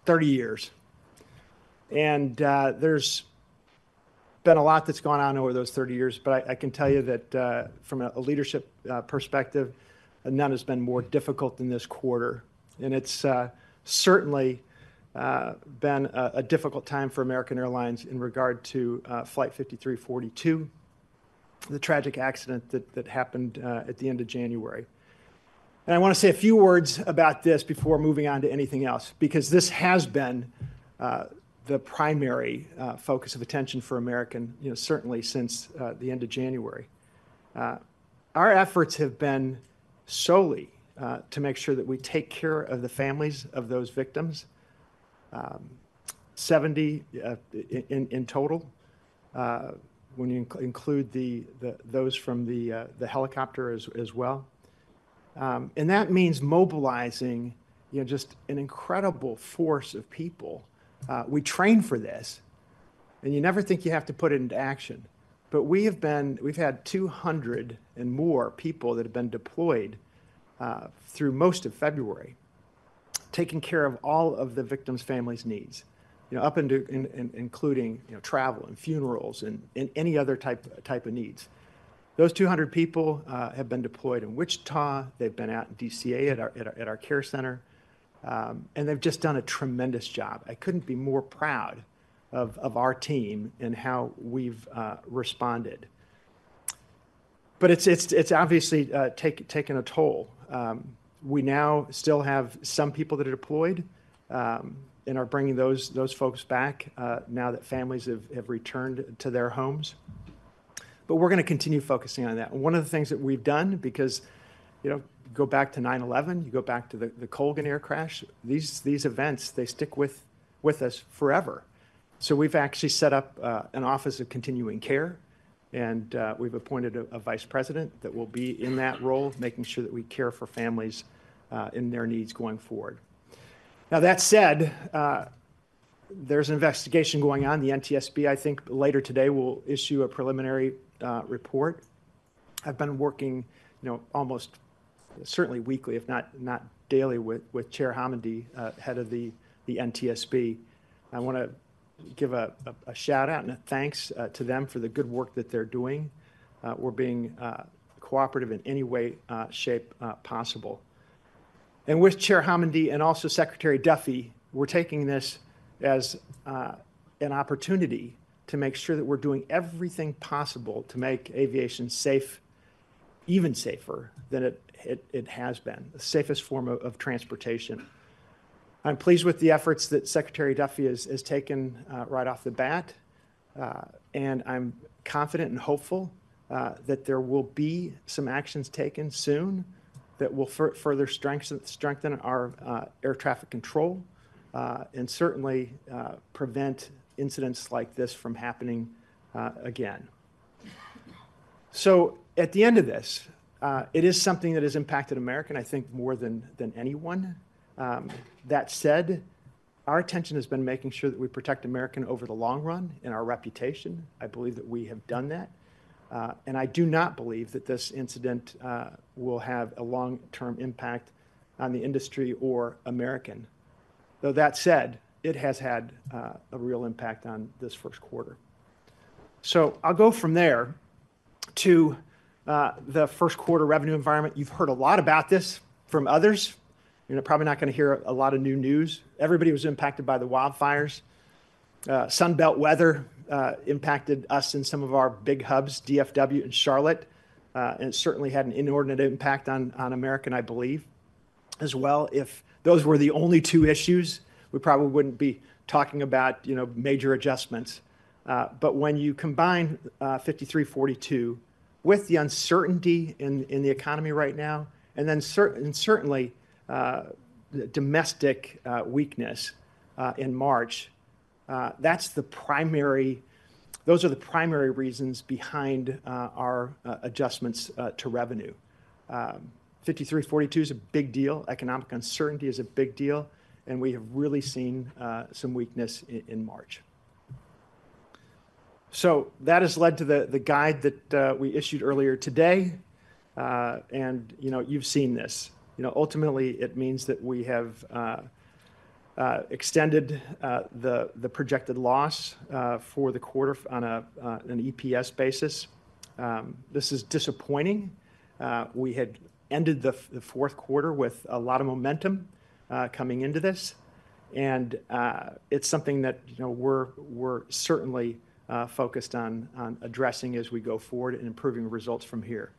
30 years. There's been a lot that's gone on over those 30 years. I can tell you that from a leadership perspective, none has been more difficult than this quarter. It's certainly been a difficult time for American Airlines in regard to Flight 5342, the tragic accident that happened at the end of January. I want to say a few words about this before moving on to anything else, because this has been the primary focus of attention for American, certainly since the end of January. Our efforts have been solely to make sure that we take care of the families of those victims, 70 in total, when you include those from the helicopter as well. That means mobilizing just an incredible force of people. We train for this, and you never think you have to put it into action. We have had 200 and more people that have been deployed through most of February, taking care of all of the victims' families' needs, including travel, funerals, and any other type of needs. Those 200 people have been deployed in Wichita. They've been out in DCA at our care center. They've just done a tremendous job. I couldn't be more proud of our team and how we've responded. It has obviously taken a toll. We now still have some people that are deployed and are bringing those folks back now that families have returned to their homes. We are going to continue focusing on that. One of the things that we have done, because go back to 9/11, you go back to the Colgan Air crash, these events, they stick with us forever. We have actually set up an Office of Continuing Care. We have appointed a Vice President that will be in that role, making sure that we care for families and their needs going forward. That said, there is an investigation going on. The NTSB, I think later today, will issue a preliminary report. I have been working almost certainly weekly, if not daily, with Chair Homendy, head of the NTSB. I want to give a shout-out and a thanks to them for the good work that they're doing or being cooperative in any way, shape possible. With Chair Homendy and also Secretary Duffy, we're taking this as an opportunity to make sure that we're doing everything possible to make aviation safe, even safer than it has been, the safest form of transportation. I'm pleased with the efforts that Secretary Duffy has taken right off the bat. I'm confident and hopeful that there will be some actions taken soon that will further strengthen our air traffic control and certainly prevent incidents like this from happening again. At the end of this, it is something that has impacted American, I think, more than anyone. That said, our attention has been making sure that we protect American over the long run and our reputation. I believe that we have done that. I do not believe that this incident will have a long-term impact on the industry or America. Though that said, it has had a real impact on this first quarter. I will go from there to the first quarter revenue environment. You have heard a lot about this from others. You are probably not going to hear a lot of new news. Everybody was impacted by the wildfires. Sunbelt weather impacted us and some of our big hubs, DFW and Charlotte. It certainly had an inordinate impact on American, I believe, as well. If those were the only two issues, we probably would not be talking about major adjustments. When you combine 5342 with the uncertainty in the economy right now, and certainly domestic weakness in March, those are the primary reasons behind our adjustments to revenue. 5342 is a big deal. Economic uncertainty is a big deal. We have really seen some weakness in March. That has led to the guide that we issued earlier today. You have seen this. Ultimately, it means that we have extended the projected loss for the quarter on an EPS basis. This is disappointing. We had ended the fourth quarter with a lot of momentum coming into this. It is something that we are certainly focused on addressing as we go forward and improving results from here.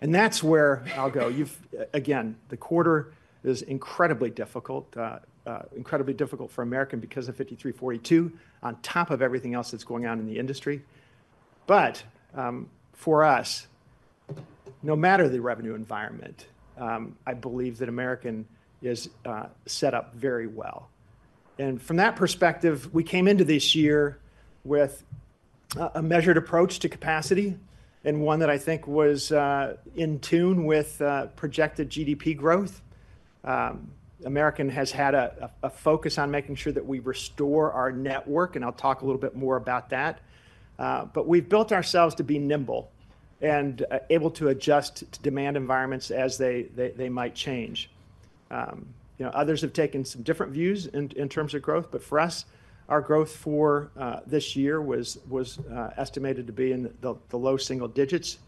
That is where I will go. The quarter is incredibly difficult, incredibly difficult for American because of 5342, on top of everything else that is going on in the industry. For us, no matter the revenue environment, I believe that American is set up very well. From that perspective, we came into this year with a measured approach to capacity and one that I think was in tune with projected GDP growth. American has had a focus on making sure that we restore our network. I'll talk a little bit more about that. We have built ourselves to be nimble and able to adjust to demand environments as they might change. Others have taken some different views in terms of growth. For us, our growth for this year was estimated to be in the low single digits.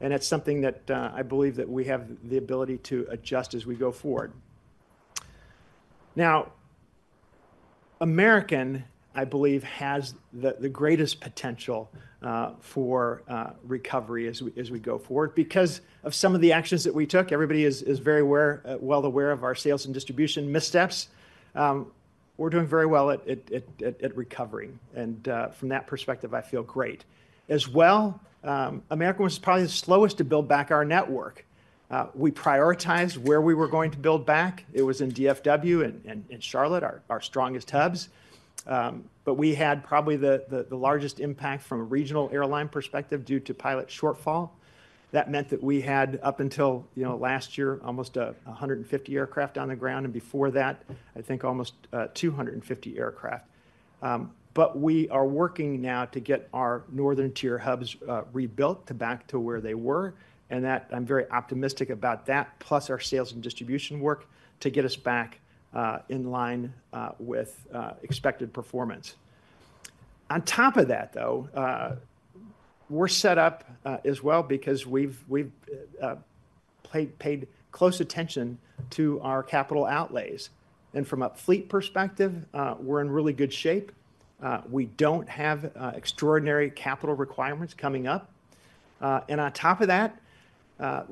It is something that I believe we have the ability to adjust as we go forward. American, I believe, has the greatest potential for recovery as we go forward because of some of the actions that we took. Everybody is very well aware of our sales and distribution missteps. We're doing very well at recovering. From that perspective, I feel great. As well, American was probably the slowest to build back our network. We prioritized where we were going to build back. It was in DFW and Charlotte, our strongest hubs. We had probably the largest impact from a regional airline perspective due to pilot shortfall. That meant that we had, up until last year, almost 150 aircraft on the ground. Before that, I think almost 250 aircraft. We are working now to get our Northern Tier hubs rebuilt back to where they were. I'm very optimistic about that, plus our sales and distribution work to get us back in line with expected performance. On top of that, we're set up as well because we've paid close attention to our capital outlays. From a fleet perspective, we're in really good shape. We do not have extraordinary capital requirements coming up. On top of that,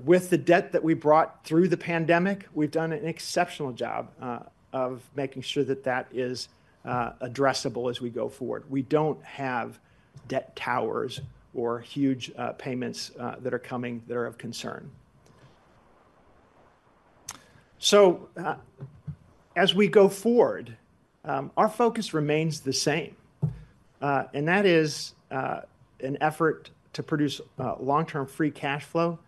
with the debt that we brought through the pandemic, we have done an exceptional job of making sure that that is addressable as we go forward. We do not have debt towers or huge payments that are coming that are of concern. As we go forward, our focus remains the same. That is an effort to produce long-term free cash flow.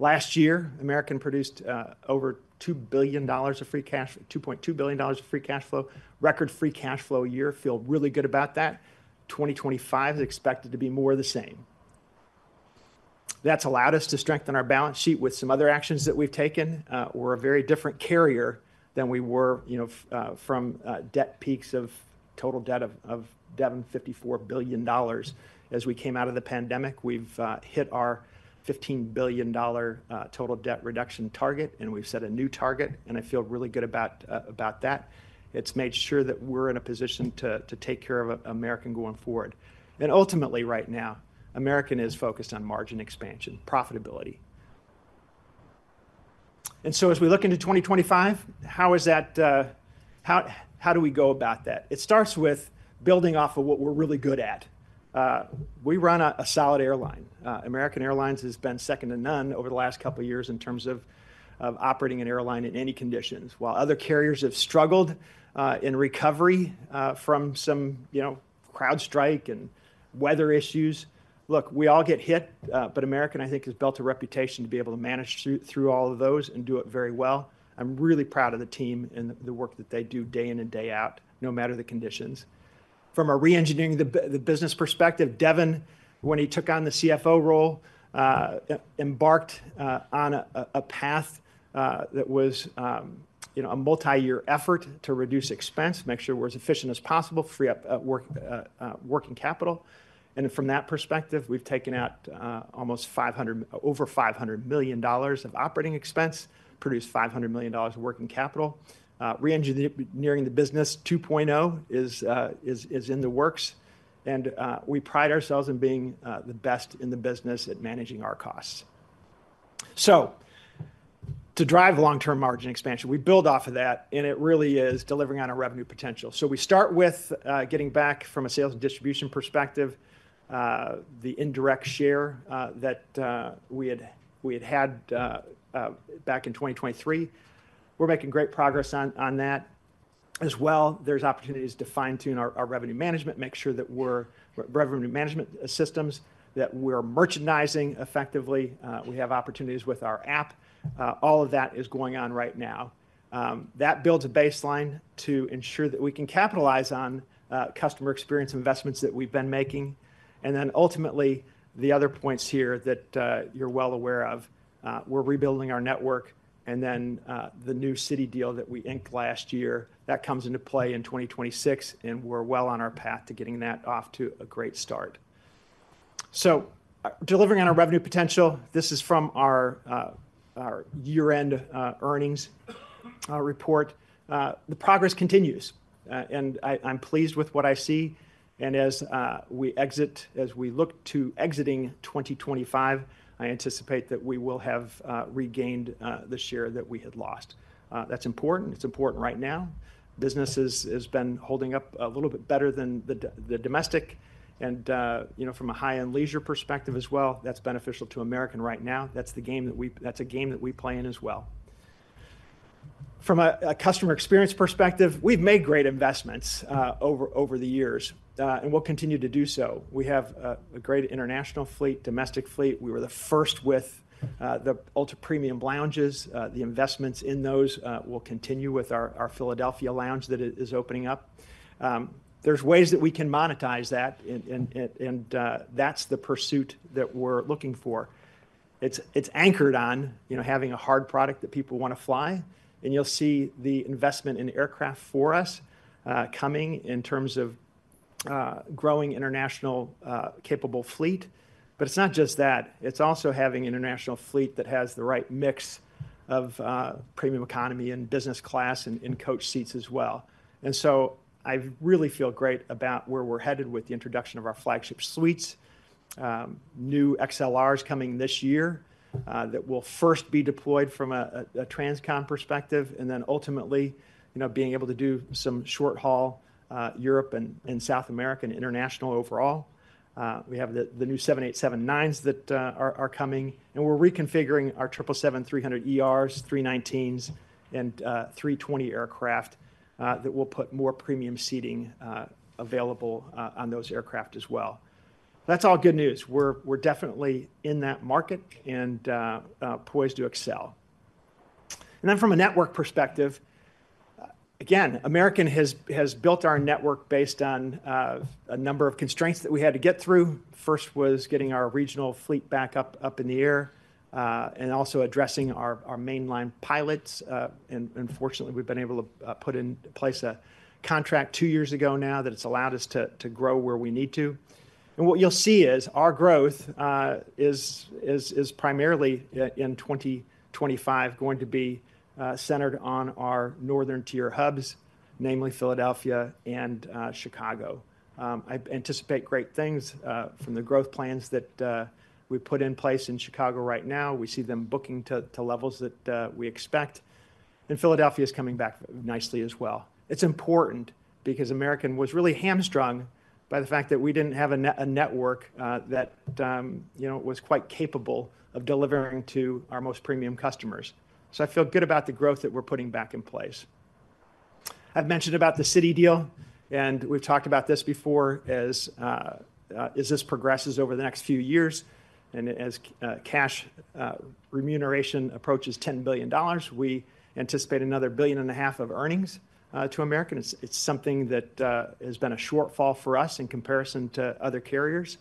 Last year, American produced over $2 billion of free cash, $2.2 billion of free cash flow, record free cash flow a year. Feel really good about that. 2025 is expected to be more of the same. That has allowed us to strengthen our balance sheet with some other actions that we have taken. We are a very different carrier than we were from debt peaks of total debt of $75.4 billion. As we came out of the pandemic, we've hit our $15 billion total debt reduction target. We've set a new target. I feel really good about that. It has made sure that we're in a position to take care of American going forward. Ultimately, right now, American is focused on margin expansion, profitability. As we look into 2025, how do we go about that? It starts with building off of what we're really good at. We run a solid airline. American Airlines has been second to none over the last couple of years in terms of operating an airline in any conditions. While other carriers have struggled in recovery from some CrowdStrike and weather issues, look, we all get hit. American, I think, has built a reputation to be able to manage through all of those and do it very well. I'm really proud of the team and the work that they do day in and day out, no matter the conditions. From a Re-engineering the Business perspective, Devon, when he took on the CFO role, embarked on a path that was a multi-year effort to reduce expense, make sure we're as efficient as possible, free up working capital. From that perspective, we've taken out almost over $500 million of operating expense, produced $500 million of working capital. Re-engineering the Business 2.0 is in the works. We pride ourselves in being the best in the business at managing our costs. To drive long-term margin expansion, we build off of that. It really is delivering on our revenue potential. We start with getting back from a sales and distribution perspective, the indirect share that we had had back in 2023. We're making great progress on that as well. There are opportunities to fine-tune our revenue management, make sure that our revenue management systems, that we're merchandising effectively. We have opportunities with our app. All of that is going on right now. That builds a baseline to ensure that we can capitalize on customer experience investments that we've been making. Ultimately, the other points here that you're well aware of, we're rebuilding our network. The new Citi deal that we inked last year, that comes into play in 2026. We're well on our path to getting that off to a great start. Delivering on our revenue potential, this is from our year-end earnings report. The progress continues. I'm pleased with what I see. As we look to exiting 2025, I anticipate that we will have regained the share that we had lost. That's important. It's important right now. Businesses have been holding up a little bit better than the domestic. From a high-end leisure perspective as well, that's beneficial to American right now. That's a game that we play in as well. From a customer experience perspective, we've made great investments over the years. We'll continue to do so. We have a great international fleet, domestic fleet. We were the first with the ultra-premium lounges. The investments in those will continue with our Philadelphia lounge that is opening up. There are ways that we can monetize that. That's the pursuit that we're looking for. It's anchored on having a hard product that people want to fly. You will see the investment in aircraft for us coming in terms of growing international capable fleet. It is not just that. It is also having an international fleet that has the right mix of premium economy and business class and coach seats as well. I really feel great about where we are headed with the introduction of our Flagship Suites, new XLRs coming this year that will first be deployed from a transcon perspective. Ultimately, being able to do some short-haul Europe and South America and international overall. We have the new 787-9s that are coming. We are reconfiguring our 777-300ERs, 319s, and 320 aircraft that will put more premium seating available on those aircraft as well. That is all good news. We are definitely in that market and poised to excel. From a network perspective, again, American has built our network based on a number of constraints that we had to get through. First was getting our regional fleet back up in the air and also addressing our mainline pilots. Unfortunately, we've been able to put in place a contract two years ago now that has allowed us to grow where we need to. What you'll see is our growth is primarily in 2025 going to be centered on our Northern Tier hubs, namely Philadelphia and Chicago. I anticipate great things from the growth plans that we put in place in Chicago right now. We see them booking to levels that we expect. Philadelphia is coming back nicely as well. It's important because American was really hamstrung by the fact that we didn't have a network that was quite capable of delivering to our most premium customers. I feel good about the growth that we're putting back in place. I have mentioned about the Citi deal. We have talked about this before as this progresses over the next few years. As cash remuneration approaches $10 billion, we anticipate another $1.5 billion of earnings to American. It is something that has been a shortfall for us in comparison to other carriers.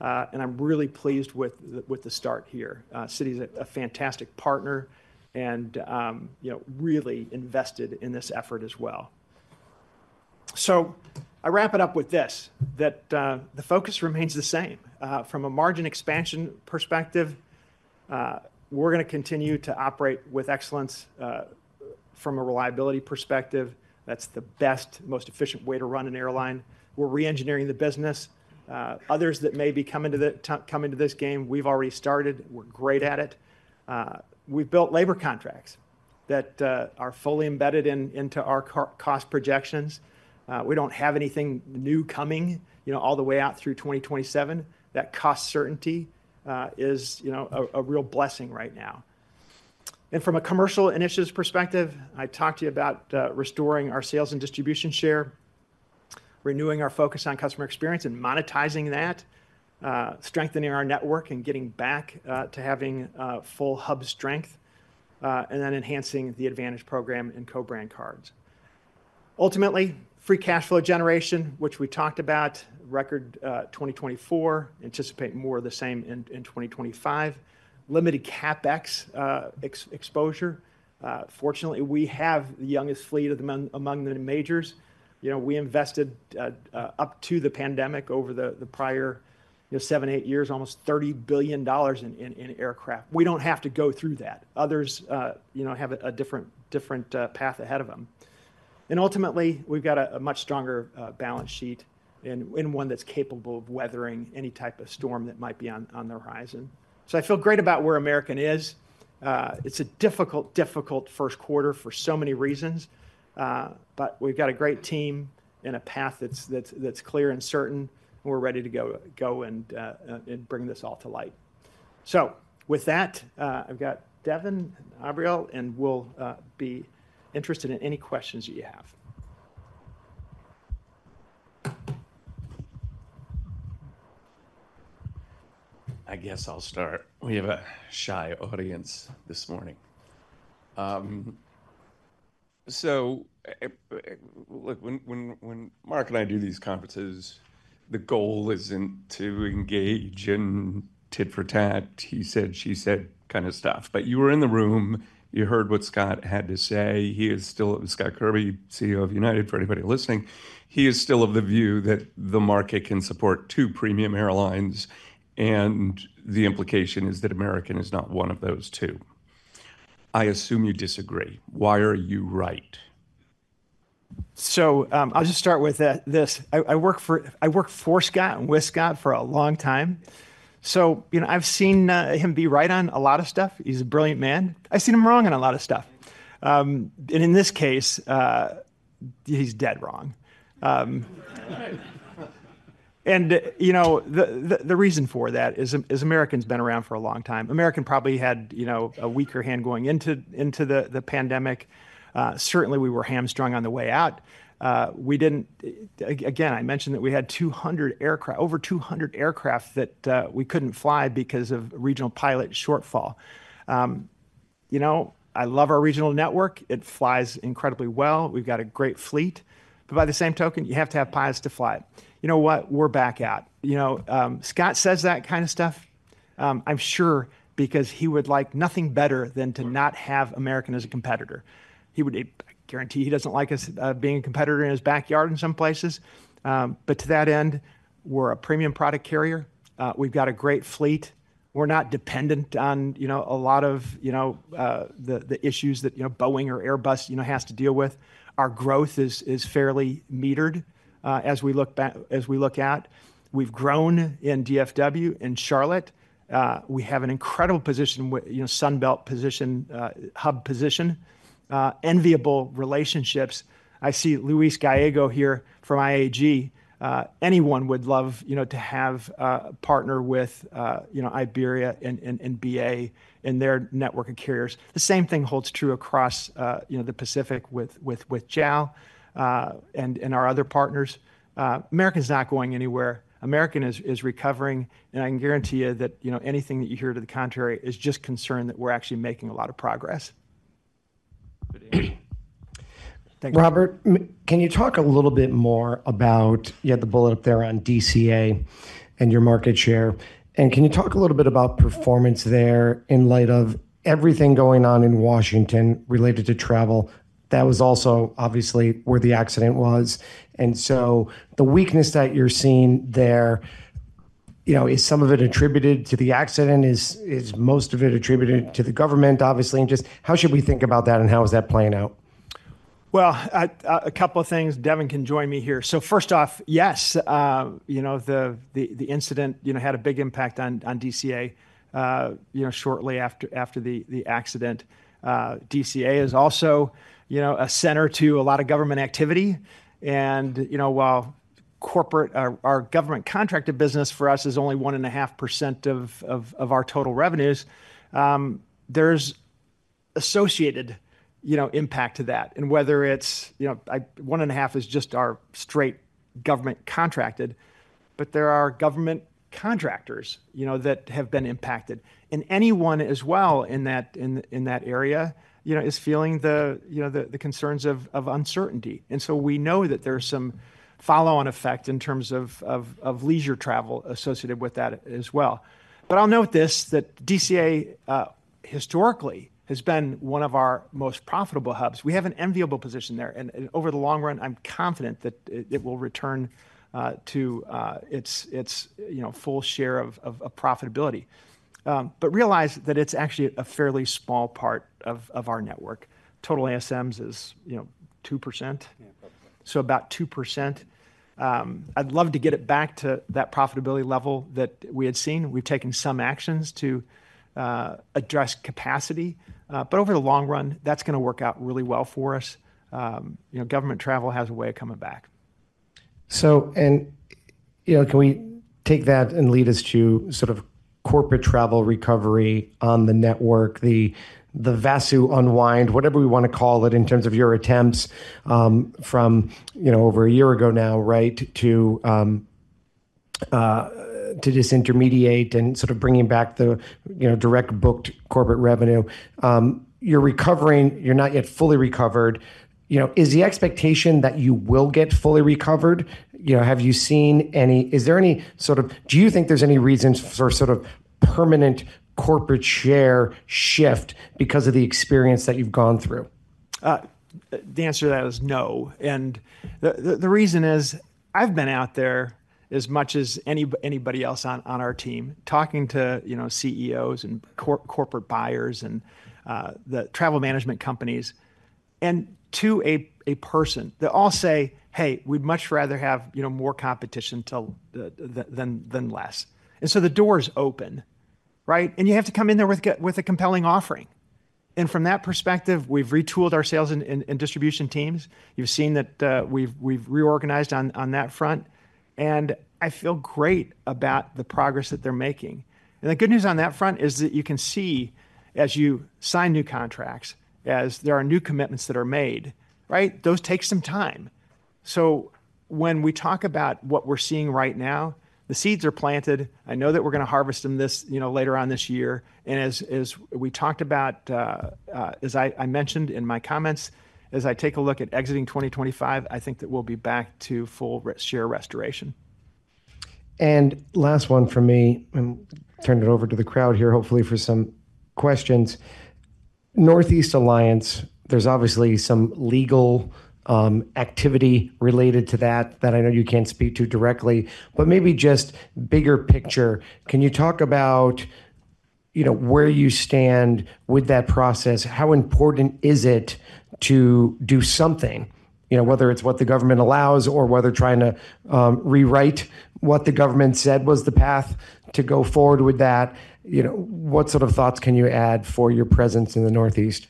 I am really pleased with the start here. Citi is a fantastic partner and really invested in this effort as well. I wrap it up with this, that the focus remains the same. From a margin expansion perspective, we are going to continue to operate with excellence from a reliability perspective. That's the best, most efficient way to run an airline. We're re-engineering the business. Others that may be coming into this game, we've already started. We're great at it. We've built labor contracts that are fully embedded into our cost projections. We don't have anything new coming all the way out through 2027. That cost certainty is a real blessing right now. From a commercial initiative perspective, I talked to you about restoring our sales and distribution share, renewing our focus on customer experience and monetizing that, strengthening our network and getting back to having full hub strength, and then enhancing the AAdvantage Program and co-brand cards. Ultimately, free cash flow generation, which we talked about, record 2024, anticipate more of the same in 2025. Limited CapEx exposure. Fortunately, we have the youngest fleet among the majors. We invested up to the pandemic over the prior seven, eight years, almost $30 billion in aircraft. We do not have to go through that. Others have a different path ahead of them. Ultimately, we have got a much stronger balance sheet and one that is capable of weathering any type of storm that might be on the horizon. I feel great about where American is. It is a difficult, difficult first quarter for so many reasons. We have got a great team and a path that is clear and certain. We are ready to go and bring this all to light. With that, I have got Devon and Abriell, and we will be interested in any questions you have. I guess I will start. We have a shy audience this morning. Look, when Mark and I do these conferences, the goal isn't to engage in tit for tat, he said, she said kind of stuff. You were in the room. You heard what Scott had to say. He is still, Scott Kirby, CEO of United, for anybody listening. He is still of the view that the market can support two premium airlines. The implication is that American is not one of those two. I assume you disagree. Why are you right? I'll just start with this. I worked for Scott and with Scott for a long time. I've seen him be right on a lot of stuff. He's a brilliant man. I've seen him wrong on a lot of stuff. In this case, he's dead wrong. The reason for that is American has been around for a long time. American probably had a weaker hand going into the pandemic. Certainly, we were hamstrung on the way out. I mentioned that we had over 200 aircraft that we couldn't fly because of regional pilot shortfall. I love our regional network. It flies incredibly well. We've got a great fleet. By the same token, you have to have pilots to fly it. You know what? We're back out. Scott says that kind of stuff, I'm sure, because he would like nothing better than to not have American as a competitor. I guarantee he doesn't like us being a competitor in his backyard in some places. To that end, we're a premium product carrier. We've got a great fleet. We're not dependent on a lot of the issues that Boeing or Airbus has to deal with. Our growth is fairly metered as we look out. We've grown in DFW, in Charlotte. We have an incredible position, Sunbelt position, hub position. Enviable relationships. I see Luis Gallego here from IAG. Anyone would love to have a partner with Iberia and BA in their network of carriers. The same thing holds true across the Pacific with JAL and our other partners. American is not going anywhere. American is recovering. I can guarantee you that anything that you hear to the contrary is just concerned that we're actually making a lot of progress. Thank you. Robert, can you talk a little bit more about you had the bullet up there on DCA and your market share. Can you talk a little bit about performance there in light of everything going on in Washington related to travel? That was also obviously where the accident was. The weakness that you're seeing there, is some of it attributed to the accident? Is most of it attributed to the government, obviously? Just how should we think about that and how is that playing out? A couple of things. Devon can join me here. First off, yes. The incident had a big impact on DCA shortly after the accident. DCA is also a center to a lot of government activity. While corporate, our government contracted business for us is only 1.5% of our total revenues, there's associated impact to that. Whether it's 1.5% is just our straight government contracted. There are government contractors that have been impacted. Anyone as well in that area is feeling the concerns of uncertainty. We know that there's some follow-on effect in terms of leisure travel associated with that as well. I'll note this, that DCA historically has been one of our most profitable hubs. We have an enviable position there. Over the long run, I'm confident that it will return to its full share of profitability. Realize that it's actually a fairly small part of our network. Total ASMs is 2%. About 2%. I'd love to get it back to that profitability level that we had seen. We've taken some actions to address capacity. Over the long run, that's going to work out really well for us. Government travel has a way of coming back. Can we take that and lead us to sort of corporate travel recovery on the network, the Vasu unwind, whatever we want to call it in terms of your attempts from over a year ago now, right, to disintermediate and sort of bringing back the direct booked corporate revenue. You're recovering. You're not yet fully recovered. Is the expectation that you will get fully recovered? Have you seen any? Is there any sort of do you think there's any reason for sort of permanent corporate share shift because of the experience that you've gone through? The answer to that is no. The reason is I've been out there as much as anybody else on our team talking to CEOs and corporate buyers and the travel management companies and to a person. They all say, hey, we'd much rather have more competition than less. The door is open, right? You have to come in there with a compelling offering. From that perspective, we've retooled our sales and distribution teams. You've seen that we've reorganized on that front. I feel great about the progress that they're making. The good news on that front is that you can see as you sign new contracts, as there are new commitments that are made, right, those take some time. When we talk about what we're seeing right now, the seeds are planted. I know that we're going to harvest them later on this year. As I mentioned in my comments, as I take a look at exiting 2025, I think that we'll be back to full share restoration. Last one for me. I'm turning it over to the crowd here, hopefully for some questions. Northeast Alliance, there's obviously some legal activity related to that that I know you can't speak to directly. Maybe just bigger picture, can you talk about where you stand with that process? How important is it to do something, whether it's what the government allows or whether trying to rewrite what the government said was the path to go forward with that? What sort of thoughts can you add for your presence in the Northeast?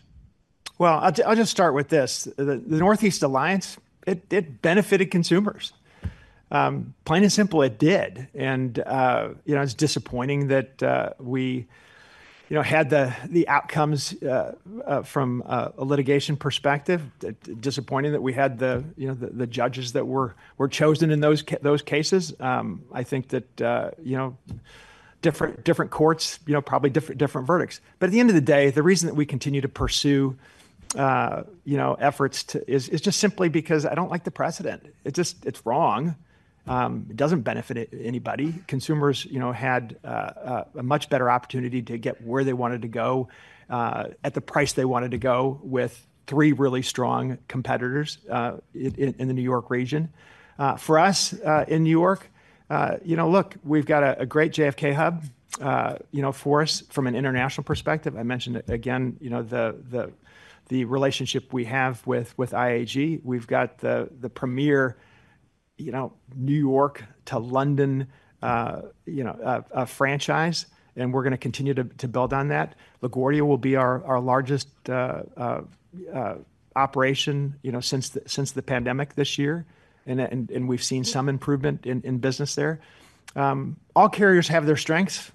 I'll just start with this. The Northeast Alliance, it benefited consumers. Plain and simple, it did. It is disappointing that we had the outcomes from a litigation perspective. Disappointing that we had the judges that were chosen in those cases. I think that different courts, probably different verdicts. At the end of the day, the reason that we continue to pursue efforts is just simply because I do not like the precedent. It is wrong. It does not benefit anybody. Consumers had a much better opportunity to get where they wanted to go at the price they wanted to go with three really strong competitors in the New York region. For us in New York, look, we have got a great JFK hub for us from an international perspective. I mentioned again the relationship we have with IAG. We have got the premier New York to London franchise. We are going to continue to build on that. LaGuardia will be our largest operation since the pandemic this year. We have seen some improvement in business there. All carriers have their strengths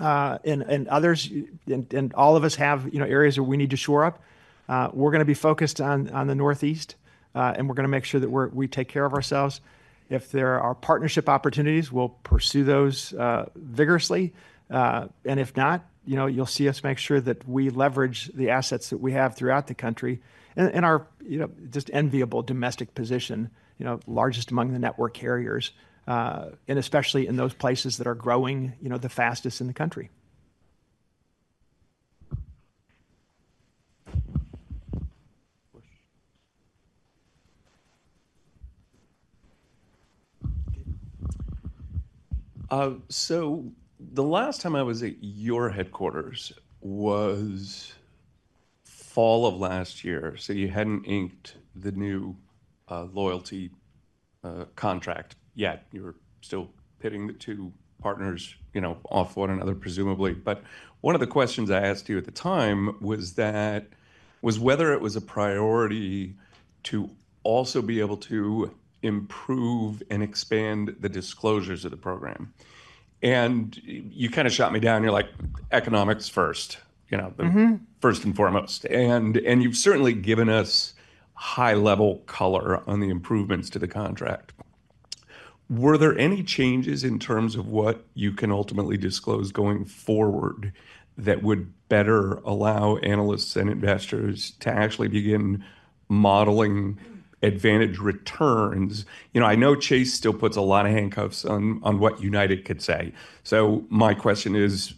and others, and all of us have areas where we need to shore up. We are going to be focused on the Northeast. We are going to make sure that we take care of ourselves. If there are partnership opportunities, we will pursue those vigorously. If not, you will see us make sure that we leverage the assets that we have throughout the country and our just enviable domestic position, largest among the network carriers, and especially in those places that are growing the fastest in the country. The last time I was at your headquarters was fall of last year. You had not inked the new loyalty contract yet. You were still pitting the two partners off one another, presumably. One of the questions I asked you at the time was whether it was a priority to also be able to improve and expand the disclosures of the program. You kind of shot me down. You are like, economics first, first and foremost. You have certainly given us high-level color on the improvements to the contract. Were there any changes in terms of what you can ultimately disclose going forward that would better allow analysts and investors to actually begin modeling AAdvantage returns? I know Chase still puts a lot of handcuffs on what United could say. My question is,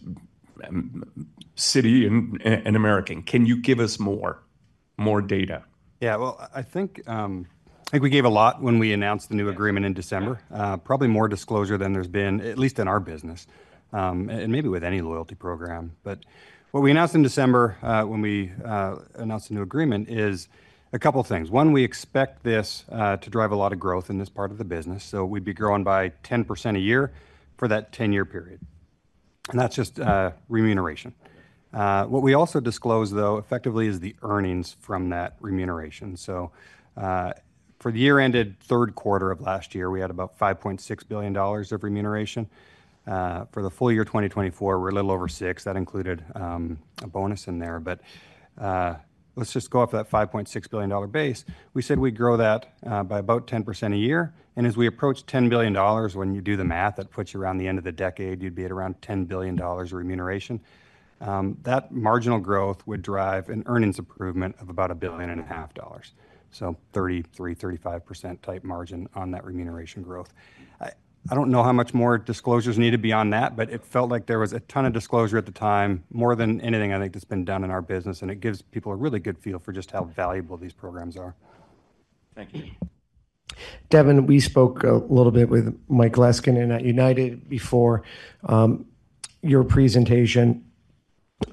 Citi and American, can you give us more data? Yeah. I think we gave a lot when we announced the new agreement in December. Probably more disclosure than there has been, at least in our business, and maybe with any loyalty program. What we announced in December when we announced the new agreement is a couple of things. One, we expect this to drive a lot of growth in this part of the business. We would be growing by 10% a year for that 10-year period. That is just remuneration. What we also disclosed, though, effectively is the earnings from that remuneration. For the year-ended third quarter of last year, we had about $5.6 billion of remuneration. For the full year 2024, we are a little over $6 billion. That included a bonus in there. Let us just go off that $5.6 billion base. We said we would grow that by about 10% a year. As we approach $10 billion, when you do the math, that puts you around the end of the decade, you'd be at around $10 billion of remuneration. That marginal growth would drive an earnings improvement of about $1.5 billion. 33%-35% type margin on that remuneration growth. I do not know how much more disclosure is needed beyond that, but it felt like there was a ton of disclosure at the time, more than anything I think that has been done in our business. It gives people a really good feel for just how valuable these programs are. Thank you. Devon, we spoke a little bit with Mike Leskinen at United before your presentation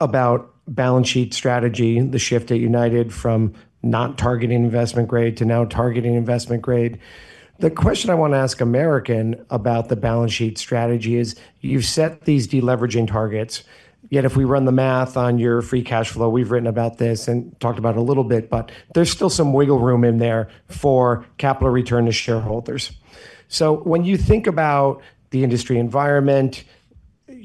about balance sheet strategy, the shift at United from not targeting investment grade to now targeting investment grade. The question I want to ask American about the balance sheet strategy is you've set these deleveraging targets. Yet if we run the math on your free cash flow, we've written about this and talked about it a little bit, but there's still some wiggle room in there for capital return to shareholders. When you think about the industry environment,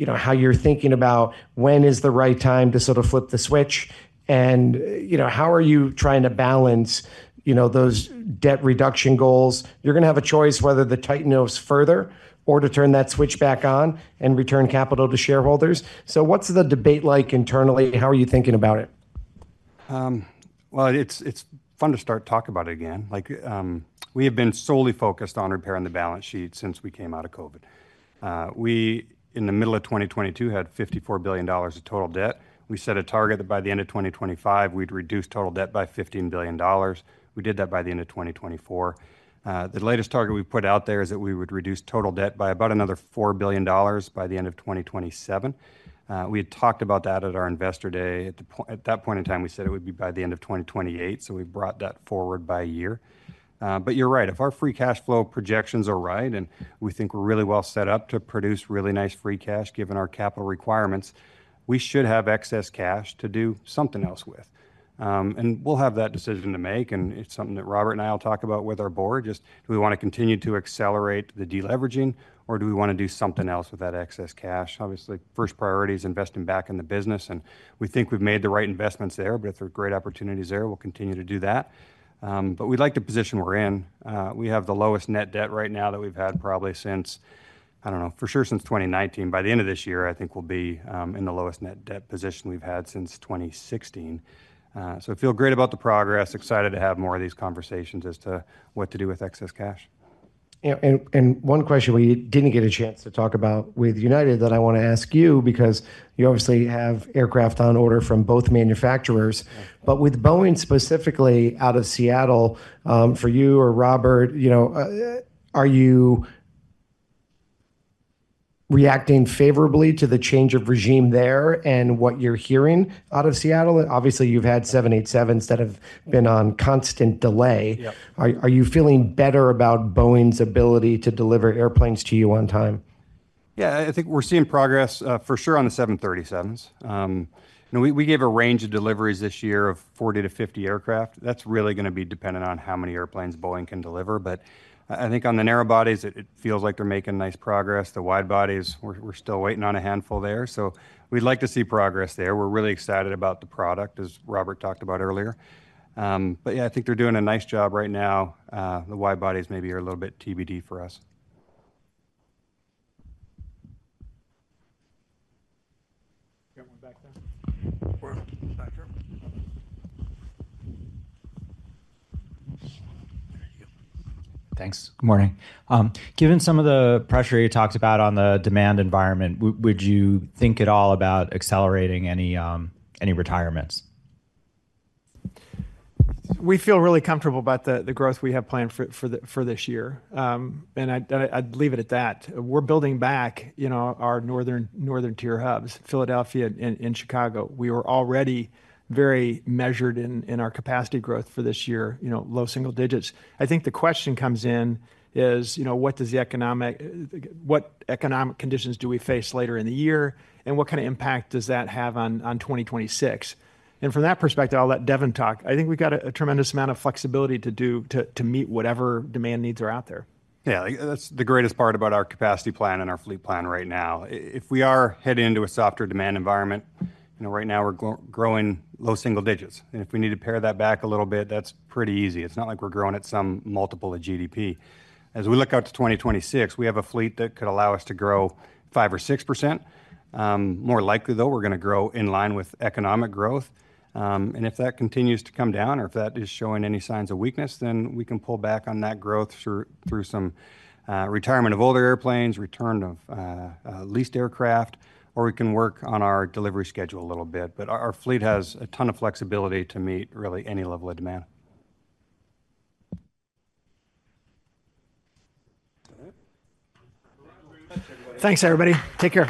how you're thinking about when is the right time to sort of flip the switch, and how are you trying to balance those debt reduction goals? You're going to have a choice whether to tighten those further or to turn that switch back on and return capital to shareholders. What's the debate like internally? How are you thinking about it? It's fun to start talking about it again. We have been solely focused on repairing the balance sheet since we came out of COVID. We, in the middle of 2022, had $54 billion of total debt. We set a target that by the end of 2025, we'd reduce total debt by $15 billion. We did that by the end of 2024. The latest target we put out there is that we would reduce total debt by about another $4 billion by the end of 2027. We had talked about that at our investor day. At that point in time, we said it would be by the end of 2028. We brought that forward by a year. You're right. If our free cash flow projections are right and we think we're really well set up to produce really nice free cash given our capital requirements, we should have excess cash to do something else with. We'll have that decision to make. It is something that Robert and I will talk about with our board. Just do we want to continue to accelerate the deleveraging, or do we want to do something else with that excess cash? Obviously, first priority is investing back in the business. We think we've made the right investments there. If there are great opportunities there, we'll continue to do that. We like the position we're in. We have the lowest net debt right now that we've had probably since, I don't know, for sure since 2019. By the end of this year, I think we'll be in the lowest net debt position we've had since 2016. I feel great about the progress. Excited to have more of these conversations as to what to do with excess cash. One question we did not get a chance to talk about with United that I want to ask you because you obviously have aircraft on order from both manufacturers. With Boeing specifically out of Seattle, for you or Robert, are you reacting favorably to the change of regime there and what you are hearing out of Seattle? Obviously, you have had 787s that have been on constant delay. Are you feeling better about Boeing's ability to deliver airplanes to you on time? Yeah. I think we're seeing progress for sure on the 737s. We gave a range of deliveries this year of 40-50 aircraft. That's really going to be dependent on how many airplanes Boeing can deliver. I think on the narrow bodies, it feels like they're making nice progress. The wide bodies, we're still waiting on a handful there. We'd like to see progress there. We're really excited about the product, as Robert talked about earlier. Yeah, I think they're doing a nice job right now. The wide bodies maybe are a little bit TBD for us. Thanks. Good morning. Given some of the pressure you talked about on the demand environment, would you think at all about accelerating any retirements? We feel really comfortable about the growth we have planned for this year. I'd leave it at that. We're building back our Northern Tier hubs, Philadelphia and Chicago. We were already very measured in our capacity growth for this year, low single digits. I think the question comes in is what economic conditions do we face later in the year and what kind of impact does that have on 2026? From that perspective, I'll let Devon talk. I think we've got a tremendous amount of flexibility to meet whatever demand needs are out there. Yeah. That's the greatest part about our capacity plan and our fleet plan right now. If we are heading into a softer demand environment, right now we're growing low single digits. If we need to pare that back a little bit, that's pretty easy. It's not like we're growing at some multiple of GDP. As we look out to 2026, we have a fleet that could allow us to grow 5%-6%. More likely, though, we're going to grow in line with economic growth. If that continues to come down or if that is showing any signs of weakness, we can pull back on that growth through some retirement of older airplanes, return of leased aircraft, or we can work on our delivery schedule a little bit. Our fleet has a ton of flexibility to meet really any level of demand. Thanks, everybody. Take care.